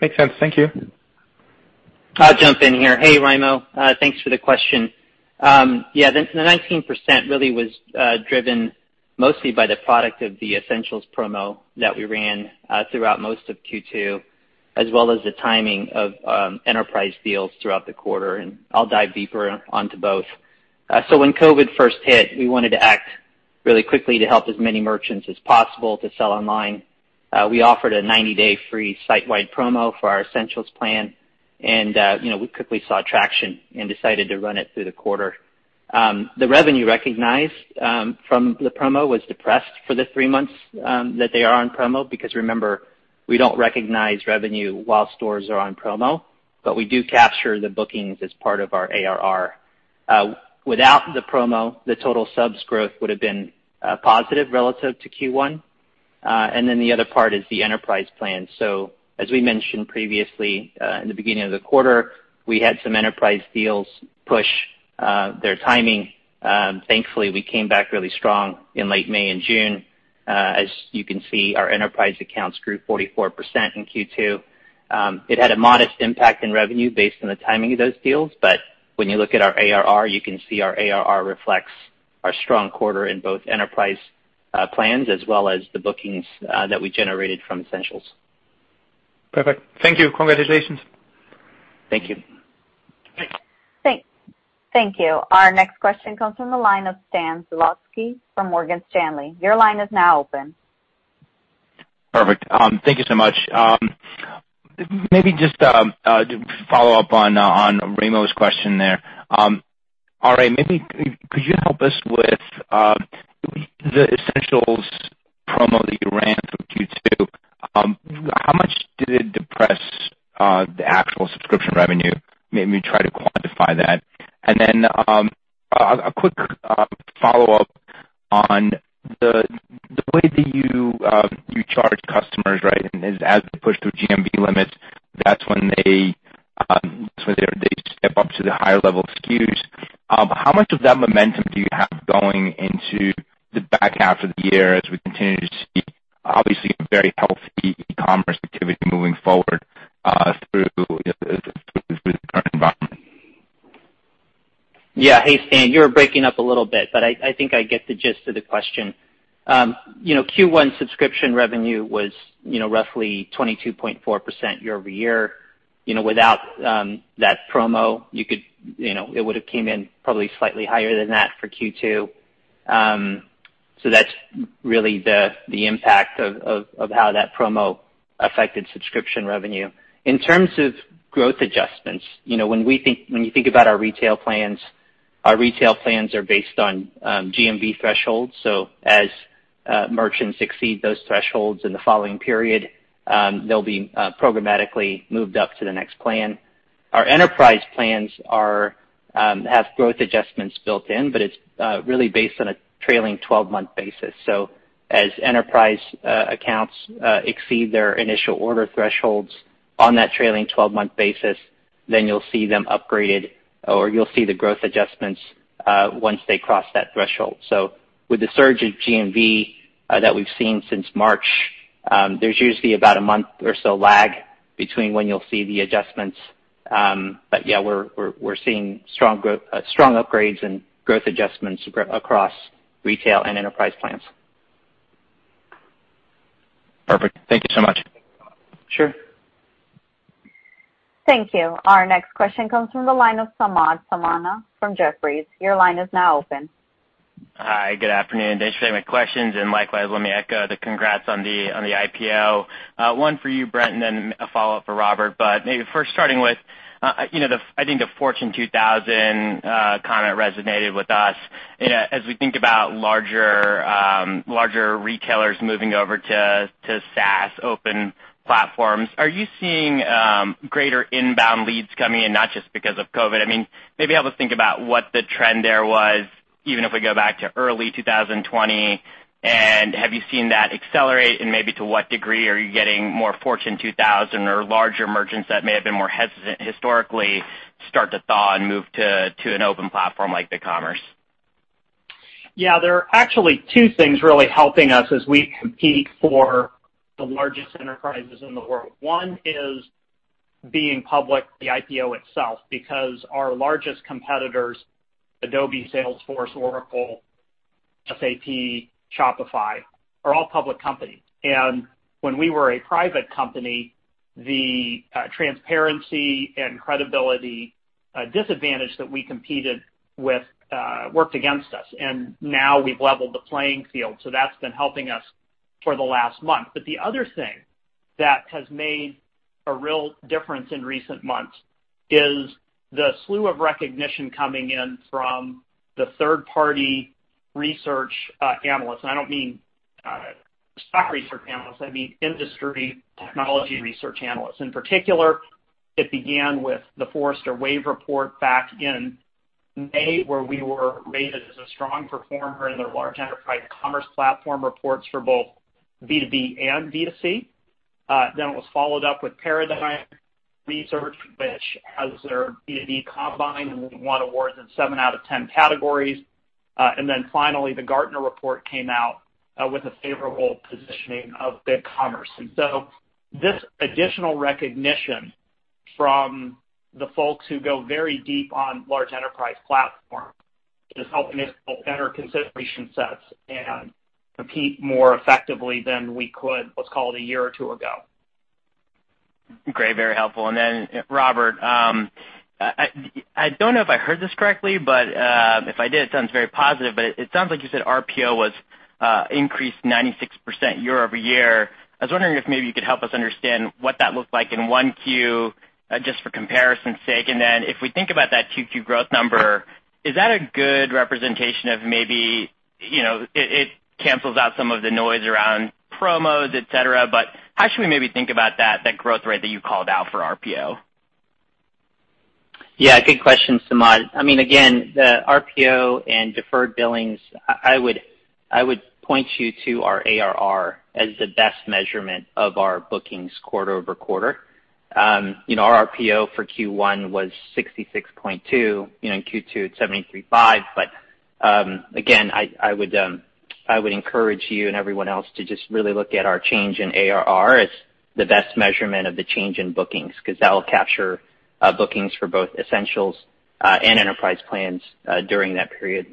Makes sense. Thank you. I'll jump in here. Hey, Raimo. Thanks for the question. The 19% really was driven mostly by the product of the Essentials promo that we ran throughout most of Q2, as well as the timing of enterprise deals throughout the quarter, and I'll dive deeper onto both. When COVID first hit, we wanted to act really quickly to help as many merchants as possible to sell online. We offered a 90-day free site-wide promo for our Essentials plan. We quickly saw traction and decided to run it through the quarter. The revenue recognized from the promo was depressed for the three months that they are on promo, because remember, we don't recognize revenue while stores are on promo, but we do capture the bookings as part of our ARR. Without the promo, the total subs growth would've been positive relative to Q1. The other part is the enterprise plan. As we mentioned previously, in the beginning of the quarter, we had some enterprise deals push their timing. Thankfully, we came back really strong in late May and June. As you can see, our enterprise accounts grew 44% in Q2. It had a modest impact in revenue based on the timing of those deals. When you look at our ARR, you can see our ARR reflects our strong quarter in both enterprise plans as well as the bookings that we generated from Essentials. Perfect. Thank you. Congratulations. Thank you. Thanks. Thank you. Our next question comes from the line of Stan Zlotsky from Morgan Stanley. Your line is now open. Perfect. Thank you so much. Just to follow up on Raimo's question there. RA, could you help us with the Essentials promo that you ran through Q2, how much did it depress the actual subscription revenue? Try to quantify that. A quick follow-up on the way that you charge customers, right, as they push through GMV limits, that's when they step up to the higher level SKUs. How much of that momentum do you have going into the back half of the year as we continue to see, obviously, very healthy e-commerce activity moving forward through the current environment? Yeah. Hey, Stan. You were breaking up a little bit, but I think I get the gist of the question. Q1 subscription revenue was roughly 22.4% year-over-year. Without that promo, it would've came in probably slightly higher than that for Q2. That's really the impact of how that promo affected subscription revenue. In terms of growth adjustments, when you think about our retail plans, our retail plans are based on GMV thresholds. As merchants exceed those thresholds in the following period, they'll be programmatically moved up to the next plan. Our enterprise plans have growth adjustments built in, it's really based on a trailing 12-month basis. As enterprise accounts exceed their initial order thresholds on that trailing 12-month basis, then you'll see them upgraded, or you'll see the growth adjustments once they cross that threshold. With the surge of GMV that we've seen since March, there's usually about a month or so lag between when you'll see the adjustments. Yeah, we're seeing strong upgrades and growth adjustments across retail and enterprise plans. Perfect. Thank you so much. Sure. Thank you. Our next question comes from the line of Samad Samana from Jefferies. Your line is now open. Hi. Good afternoon. Thanks for taking my questions, and likewise, let me echo the congrats on the IPO. One for you, Brent, and then a follow-up for Robert. Maybe first starting with, I think the Fortune 2000 comment resonated with us. As we think about larger retailers moving over to SaaS open platforms, are you seeing greater inbound leads coming in, not just because of COVID? Maybe help us think about what the trend there was, even if we go back to early 2020, and have you seen that accelerate and maybe to what degree are you getting more Fortune 2000 or larger merchants that may have been more hesitant historically start to thaw and move to an open platform like BigCommerce? Yeah. There are actually two things really helping us as we compete for the largest enterprises in the world. One is being public, the IPO itself, because our largest competitors, Adobe, Salesforce, Oracle, SAP, Shopify, are all public companies. When we were a private company, the transparency and credibility disadvantage that we competed with worked against us. Now we've leveled the playing field. That's been helping us for the last month. The other thing that has made a real difference in recent months is the slew of recognition coming in from the third-party research analysts. I don't mean stock research analysts, I mean industry technology research analysts. In particular, it began with The Forrester Wave report back in May, where we were rated as a strong performer in their large enterprise commerce platform reports for both B2B and B2C. It was followed up with Paradigm Research, which has their B2B combined, and we won awards in seven out of 10 categories. Finally, the Gartner report came out with a favorable positioning of BigCommerce. This additional recognition from the folks who go very deep on large enterprise platforms is helping us build better consideration sets and compete more effectively than we could, let's call it a year or two ago. Great. Very helpful. Robert, I don't know if I heard this correctly, but if I did, it sounds very positive, but it sounds like you said RPO was increased 96% year-over-year. I was wondering if maybe you could help us understand what that looked like in 1Q, just for comparison's sake. If we think about that 2Q growth number, is that a good representation of maybe it cancels out some of the noise around promos, etc. How should we maybe think about that growth rate that you called out for RPO? Yeah. Good question, Samad. Again, the RPO and deferred billings, I would point you to our ARR as the best measurement of our bookings quarter-over-quarter. Our RPO for Q1 was $66.2, in Q2 it's $73.5, again, I would encourage you and everyone else to just really look at our change in ARR as the best measurement of the change in bookings, because that will capture bookings for both essentials and enterprise plans during that period.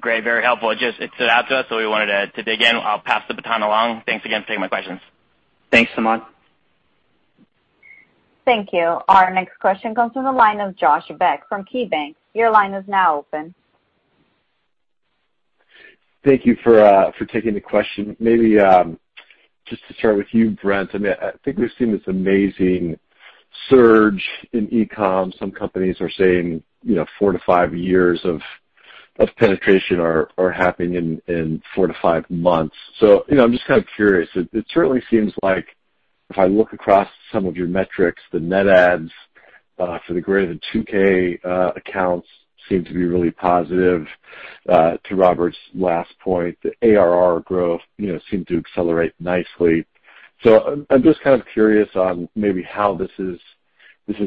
Great. Very helpful. It stood out to us. We wanted to dig in. I'll pass the baton along. Thanks again for taking my questions. Thanks, Samad. Thank you. Our next question comes from the line of Josh Beck from KeyBanc. Your line is now open. Thank you for taking the question. Maybe just to start with you, Brent, I think we've seen this amazing surge in e-com. Some companies are saying four to five years of penetration are happening in four to five months. I'm just kind of curious. It certainly seems like if I look across some of your metrics, the net adds for the greater than 2000 accounts seem to be really positive. To Robert's last point, the ARR growth seemed to accelerate nicely. I'm just kind of curious on maybe how this is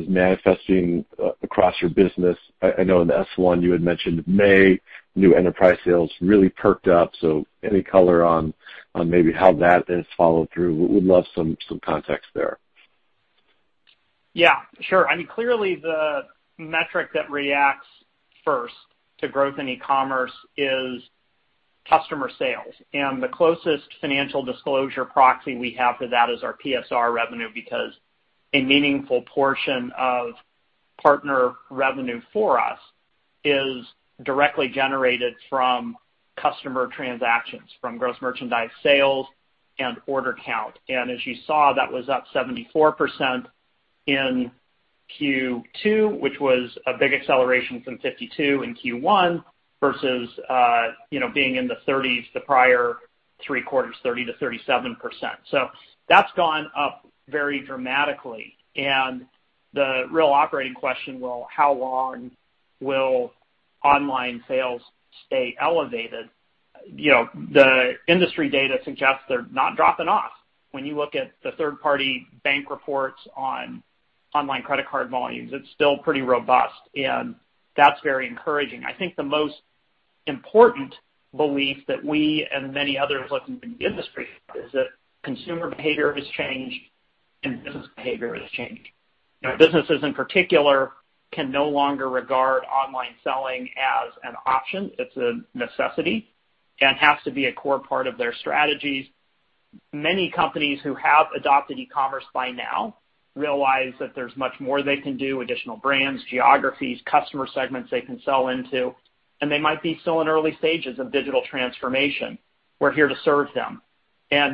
manifesting across your business. I know in the S-1 you had mentioned May, new enterprise sales really perked up. Any color on maybe how that has followed through? Would love some context there. Yeah, sure. Clearly the metric that reacts first to growth in e-commerce is customer sales. The closest financial disclosure proxy we have for that is our PSR revenue, because a meaningful portion of partner revenue for us is directly generated from customer transactions, from gross merchandise sales and order count. As you saw, that was up 74% in Q2, which was a big acceleration from 52% in Q1 versus being in the 30s the prior three quarters, 30%-37%. That's gone up very dramatically. The real operating question, well, how long will online sales stay elevated? The industry data suggests they're not dropping off. When you look at the third party bank reports on online credit card volumes, it's still pretty robust, and that's very encouraging. I think the most important belief that we and many others looking in the industry is that consumer behavior has changed and business behavior has changed. Businesses in particular can no longer regard online selling as an option. It's a necessity, has to be a core part of their strategies. Many companies who have adopted e-commerce by now realize that there's much more they can do, additional brands, geographies, customer segments they can sell into, and they might be still in early stages of digital transformation. We're here to serve them.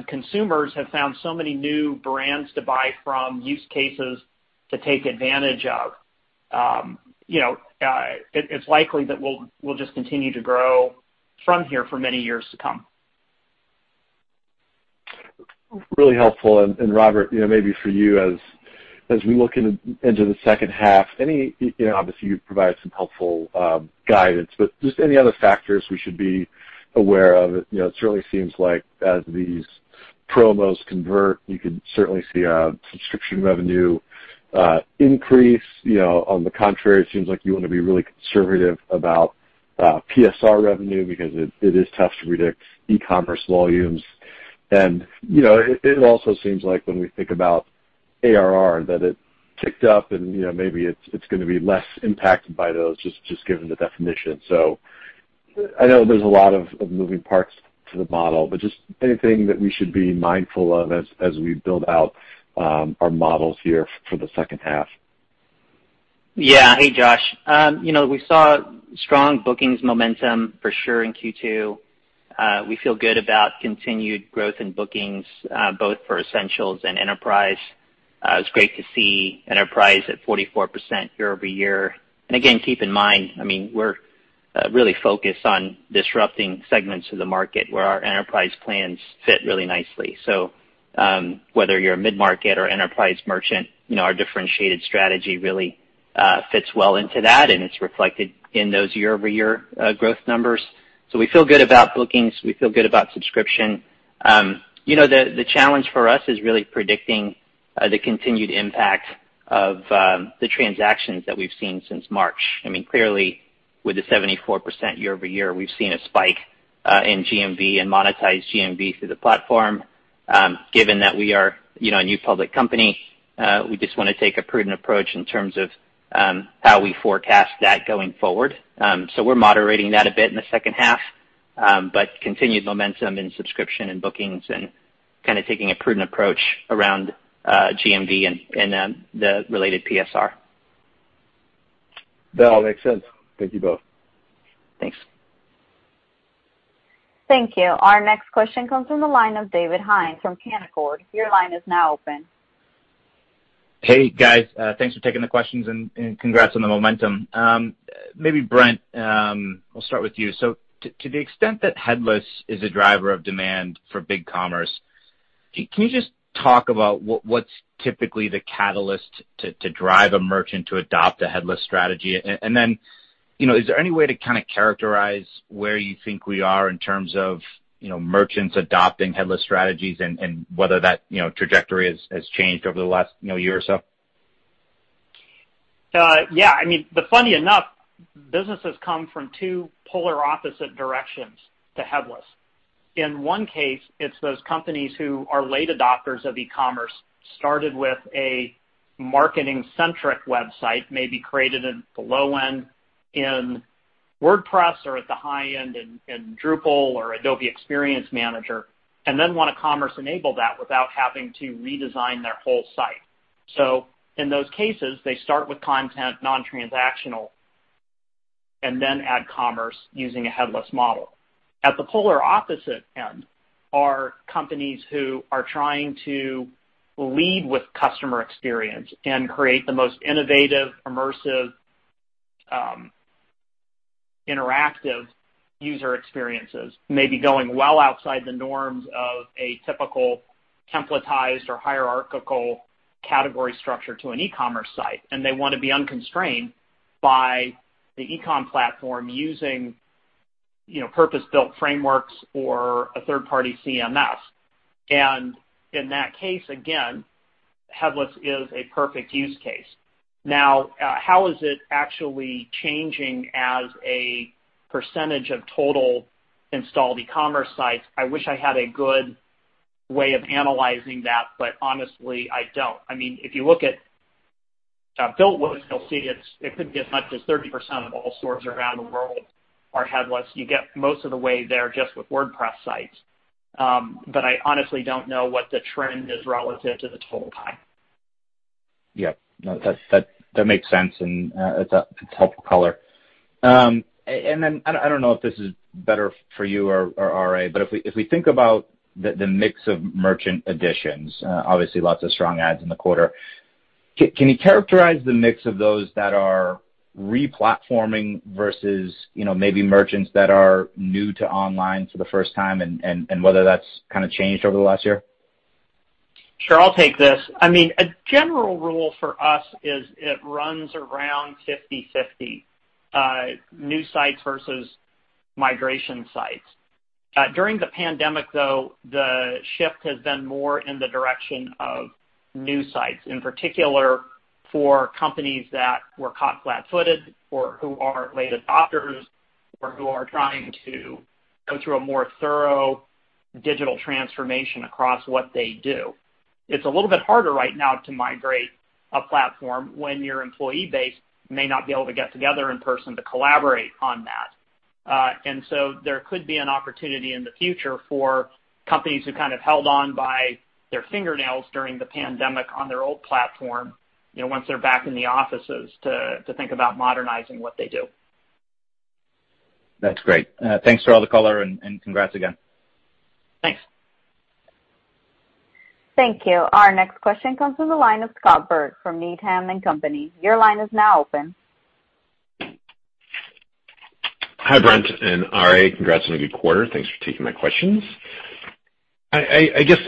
Consumers have found so many new brands to buy from, use cases to take advantage of. It's likely that we'll just continue to grow from here for many years to come. Really helpful. Robert, maybe for you, as we look into the second half, obviously you've provided some helpful guidance, but just any other factors we should be aware of? It certainly seems like as these promos convert, you could certainly see a subscription revenue increase. On the contrary, it seems like you want to be really conservative about PSR revenue because it is tough to predict e-commerce volumes. It also seems like when we think about ARR, that it ticked up and maybe it's going to be less impacted by those, just given the definition. I know there's a lot of moving parts to the model, but just anything that we should be mindful of as we build out our models here for the second half. Yeah. Hey, Josh. We saw strong bookings momentum for sure in Q2. We feel good about continued growth in bookings, both for Essentials and Enterprise. It was great to see Enterprise at 44% year-over-year. Again, keep in mind, we're really focused on disrupting segments of the market where our enterprise plans fit really nicely. Whether you're a mid-market or enterprise merchant, our differentiated strategy really fits well into that, and it's reflected in those year-over-year growth numbers. We feel good about bookings. We feel good about subscription. The challenge for us is really predicting the continued impact of the transactions that we've seen since March. Clearly, with the 74% year-over-year, we've seen a spike in GMV and monetized GMV through the platform. Given that we are a new public company, we just want to take a prudent approach in terms of how we forecast that going forward. We're moderating that a bit in the second half. Continued momentum in subscription and bookings and kind of taking a prudent approach around GMV and the related PSR. That all makes sense. Thank you both. Thanks. Thank you. Our next question comes from the line of David Hynes from Canaccord. Your line is now open. Hey, guys. Thanks for taking the questions, and congrats on the momentum. Maybe Brent, I'll start with you. To the extent that headless is a driver of demand for BigCommerce, can you just talk about what's typically the catalyst to drive a merchant to adopt a headless strategy? Is there any way to kind of characterize where you think we are in terms of merchants adopting headless strategies, and whether that trajectory has changed over the last year or so? Yeah. Funny enough, businesses come from two polar opposite directions to headless. In one case, it's those companies who are late adopters of e-commerce, started with a marketing centric website, maybe created at the low end in WordPress or at the high end in Drupal or Adobe Experience Manager, and then want to commerce enable that without having to redesign their whole site. In those cases, they start with content non-transactional and then add commerce using a headless model. At the polar opposite end are companies who are trying to lead with customer experience and create the most innovative, immersive, interactive user experiences, maybe going well outside the norms of a typical templatized or hierarchical category structure to an e-commerce site, and they want to be unconstrained by the e-com platform using purpose-built frameworks or a third-party CMS. In that case, again, headless is a perfect use case. Now, how is it actually changing as a percentage of total installed e-commerce sites? I wish I had a good way of analyzing that, but honestly, I don't. If you look at BuiltWith, you'll see it could be as much as 30% of all stores around the world are headless. You get most of the way there just with WordPress sites. I honestly don't know what the trend is relative to the total pie. Yeah. No, that makes sense, and it's a helpful color. I don't know if this is better for you or RA, but if we think about the mix of merchant additions, obviously lots of strong adds in the quarter. Can you characterize the mix of those that are re-platforming versus maybe merchants that are new to online for the first time, and whether that's kind of changed over the last year? Sure. I'll take this. A general rule for us is it runs around 50/50, new sites versus migration sites. During the pandemic, though, the shift has been more in the direction of new sites, in particular for companies that were caught flat-footed or who are late adopters or who are trying to go through a more thorough digital transformation across what they do. It's a little bit harder right now to migrate a platform when your employee base may not be able to get together in person to collaborate on that. There could be an opportunity in the future for companies who kind of held on by their fingernails during the pandemic on their old platform, once they're back in the offices, to think about modernizing what they do. That's great. Thanks for all the color, and congrats again. Thanks. Thank you. Our next question comes from the line of Scott Berg from Needham & Company. Your line is now open. Hi, Brent and RA. Congrats on a good quarter. Thanks for taking my questions.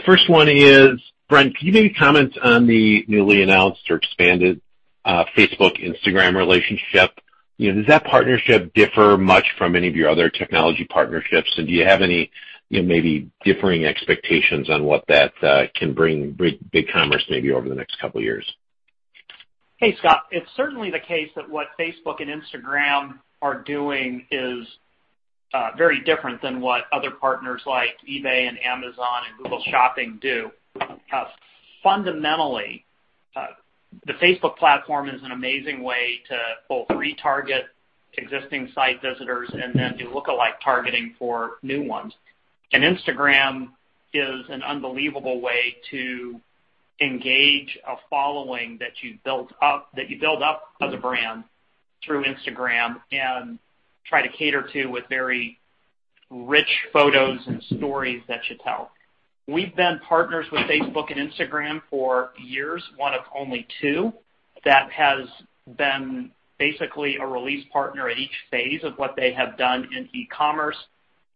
First one is, Brent, can you maybe comment on the newly announced or expanded Facebook Instagram relationship? Does that partnership differ much from any of your other technology partnerships, and do you have any maybe differing expectations on what that can bring BigCommerce maybe over the next couple of years? Hey, Scott. It's certainly the case that what Facebook and Instagram are doing is very different than what other partners like eBay and Amazon and Google Shopping do. Fundamentally, the Facebook platform is an amazing way to both retarget existing site visitors and then do lookalike targeting for new ones. Instagram is an unbelievable way to engage a following that you build up as a brand through Instagram and try to cater to with very rich photos and stories that you tell. We've been partners with Facebook and Instagram for years, one of only two that has been basically a release partner at each phase of what they have done in e-commerce.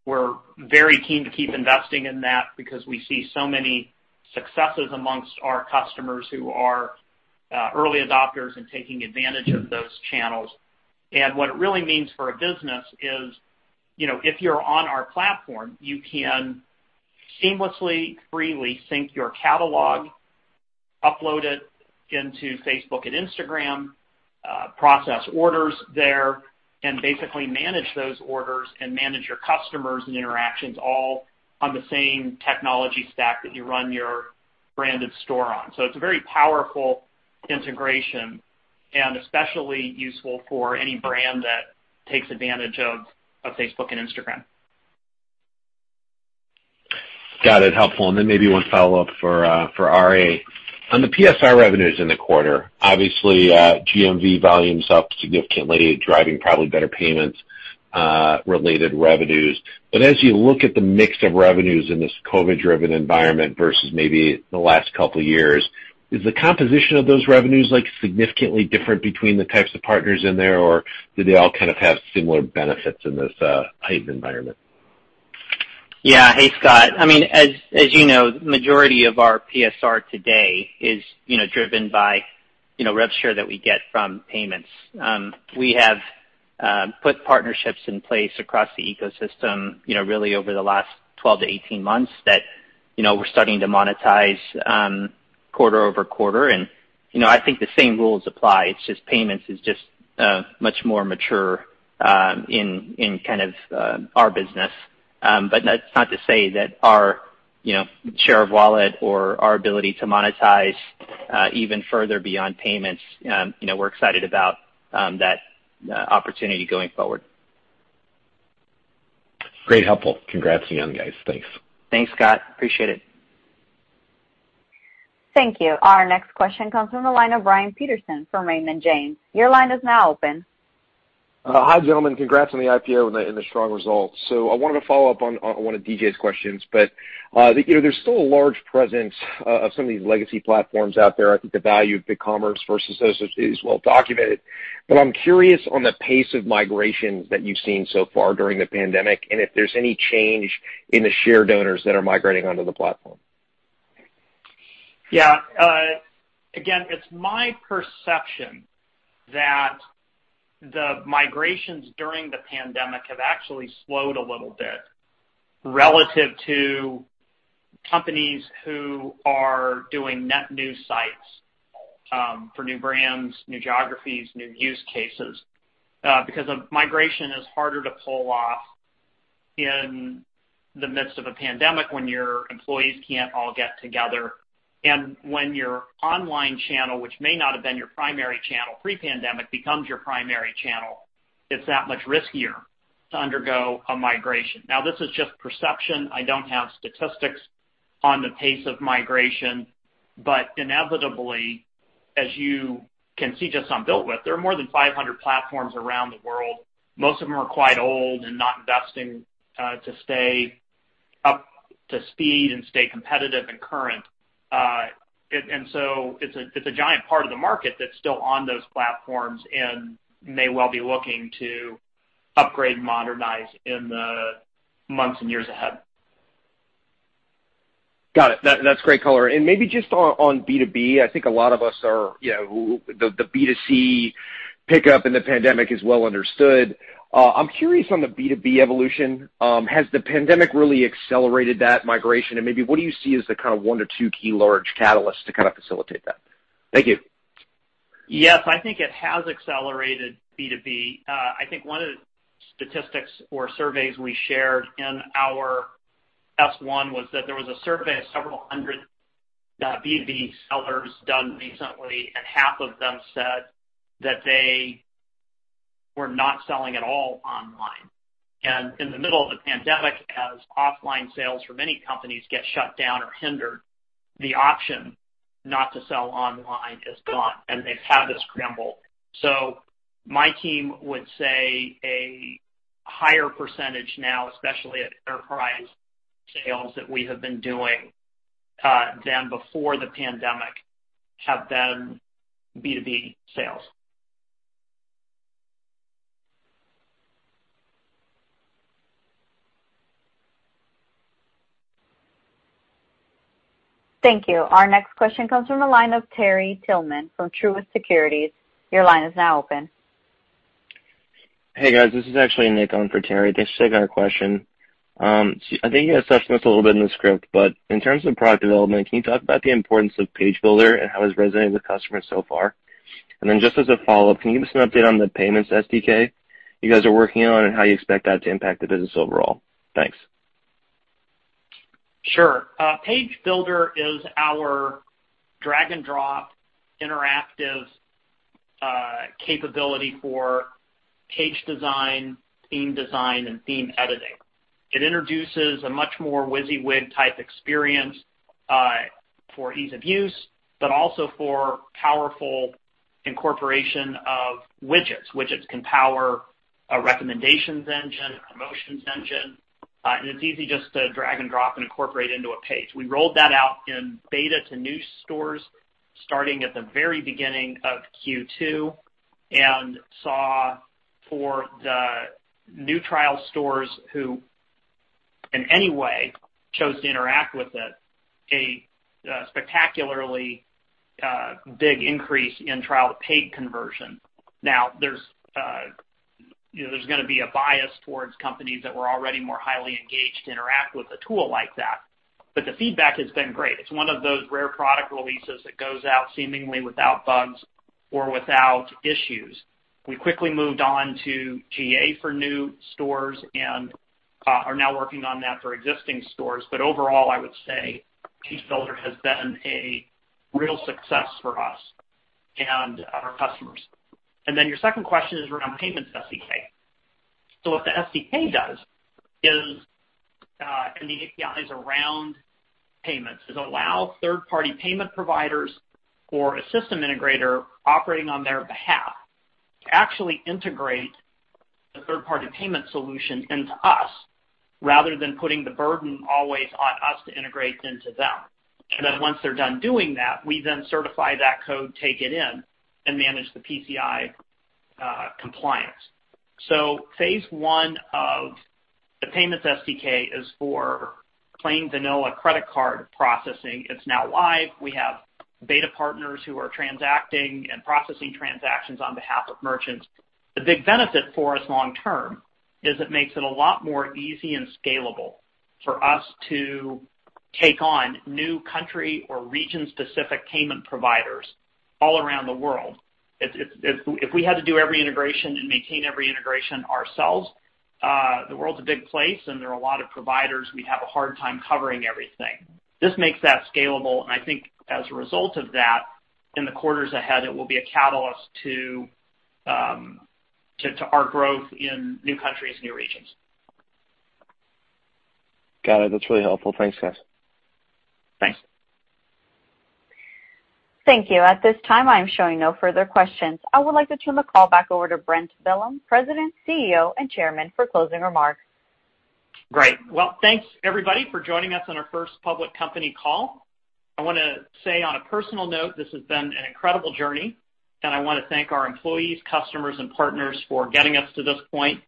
We're very keen to keep investing in that because we see so many successes amongst our customers who are early adopters and taking advantage of those channels. What it really means for a business is, if you're on our platform, you can seamlessly, freely sync your catalog, upload it into Facebook and Instagram, process orders there, and basically manage those orders and manage your customers and interactions all on the same technology stack that you run your branded store on. It's a very powerful integration and especially useful for any brand that takes advantage of Facebook and Instagram. Got it. Helpful. Maybe one follow-up for RA. On the PSR revenues in the quarter, obviously, GMV volume's up significantly, driving probably better payments-related revenues. As you look at the mix of revenues in this COVID-driven environment versus maybe the last couple of years, is the composition of those revenues significantly different between the types of partners in there, or do they all kind of have similar benefits in this hyped environment? Hey, Scott. As you know, the majority of our PSR today is driven by rev share that we get from payments. We have put partnerships in place across the ecosystem really over the last 12-18 months that we're starting to monetize quarter-over-quarter. I think the same rules apply. It's just payments is much more mature in our business. That's not to say that our share of wallet or our ability to monetize even further beyond payments, we're excited about that opportunity going forward. Great, helpful. Congrats again, guys. Thanks. Thanks, Scott. Appreciate it. Thank you. Our next question comes from the line of Brian Peterson from Raymond James. Your line is now open. Hi, gentlemen. Congrats on the IPO and the strong results. I wanted to follow up on one of DJ's questions, but there's still a large presence of some of these legacy platforms out there. I think the value of BigCommerce versus those is well documented. I'm curious on the pace of migrations that you've seen so far during the pandemic, and if there's any change in the share donors that are migrating onto the platform. Yeah. Again, it's my perception that the migrations during the pandemic have actually slowed a little bit relative to companies who are doing net new sites for new brands, new geographies, new use cases, because a migration is harder to pull off in the midst of a pandemic when your employees can't all get together. When your online channel, which may not have been your primary channel pre-pandemic, becomes your primary channel, it's that much riskier to undergo a migration. Now, this is just perception. I don't have statistics on the pace of migration, but inevitably, as you can see just on BuiltWith, there are more than 500 platforms around the world. Most of them are quite old and not investing to stay up to speed and stay competitive and current. It's a giant part of the market that's still on those platforms and may well be looking to upgrade and modernize in the months and years ahead. Got it. That's great color. Maybe just on B2B, I think a lot of us the B2C pickup in the pandemic is well understood. I'm curious on the B2B evolution. Has the pandemic really accelerated that migration? Maybe what do you see as the kind of one to two key large catalysts to kind of facilitate that? Thank you. I think it has accelerated B2B. I think one of the statistics or surveys we shared in our S-1 was that there was a survey of several hundred B2B sellers done recently, and half of them said that they were not selling at all online. In the middle of a pandemic, as offline sales for many companies get shut down or hindered, the option not to sell online is gone, and they've had to scramble. My team would say a higher percentage now, especially at enterprise sales that we have been doing, than before the pandemic have been B2B sales. Thank you. Our next question comes from the line of Terry Tillman from Truist Securities. Your line is now open. Hey, guys. This is actually Nick on for Terry. Thanks for taking our question. I think you assessed this a little bit in the script, in terms of product development, can you talk about the importance of Page Builder and how it's resonated with customers so far? Just as a follow-up, can you give us an update on the payments SDK you guys are working on and how you expect that to impact the business overall? Thanks. Sure. Page Builder is our drag-and-drop interactive capability for page design, theme design, and theme editing. It introduces a much more WYSIWYG type experience, for ease of use, but also for powerful incorporation of widgets. Widgets can power a recommendations engine, a promotions engine, and it's easy just to drag and drop and incorporate into a page. We rolled that out in beta to new stores starting at the very beginning of Q2 and saw for the new trial stores who in any way chose to interact with it, a spectacularly big increase in trial-to-paid conversion. Now, there's going to be a bias towards companies that were already more highly engaged to interact with a tool like that, but the feedback has been great. It's one of those rare product releases that goes out seemingly without bugs or without issues. We quickly moved on to GA for new stores and are now working on that for existing stores. Overall, I would say Page Builder has been a real success for us and our customers. Your second question is around payments SDK. What the SDK does is, and the APIs around payments, is allow third-party payment providers or a system integrator operating on their behalf to actually integrate the third-party payment solution into us rather than putting the burden always on us to integrate into them. Once they're done doing that, we then certify that code, take it in, and manage the PCI compliance. Phase I of the payments SDK is for plain vanilla credit card processing. It's now live. We have beta partners who are transacting and processing transactions on behalf of merchants. The big benefit for us long term is it makes it a lot more easy and scalable for us to take on new country or region-specific payment providers all around the world. If we had to do every integration and maintain every integration ourselves, the world's a big place and there are a lot of providers, we'd have a hard time covering everything. This makes that scalable, and I think as a result of that, in the quarters ahead, it will be a catalyst to our growth in new countries, new regions. Got it. That's really helpful. Thanks, guys. Thanks. Thank you. At this time, I am showing no further questions. I would like to turn the call back over to Brent Bellm, President, CEO, and Chairman, for closing remarks. Great. Well, thanks everybody for joining us on our first public company call. I want to say on a personal note, this has been an incredible journey. I want to thank our employees, customers, and partners for getting us to this point.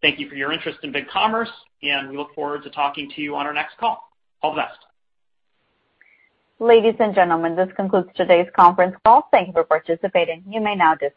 Thank you for your interest in BigCommerce. We look forward to talking to you on our next call. All the best. Ladies and gentlemen, this concludes today's conference call. Thank you for participating. You may now disconnect.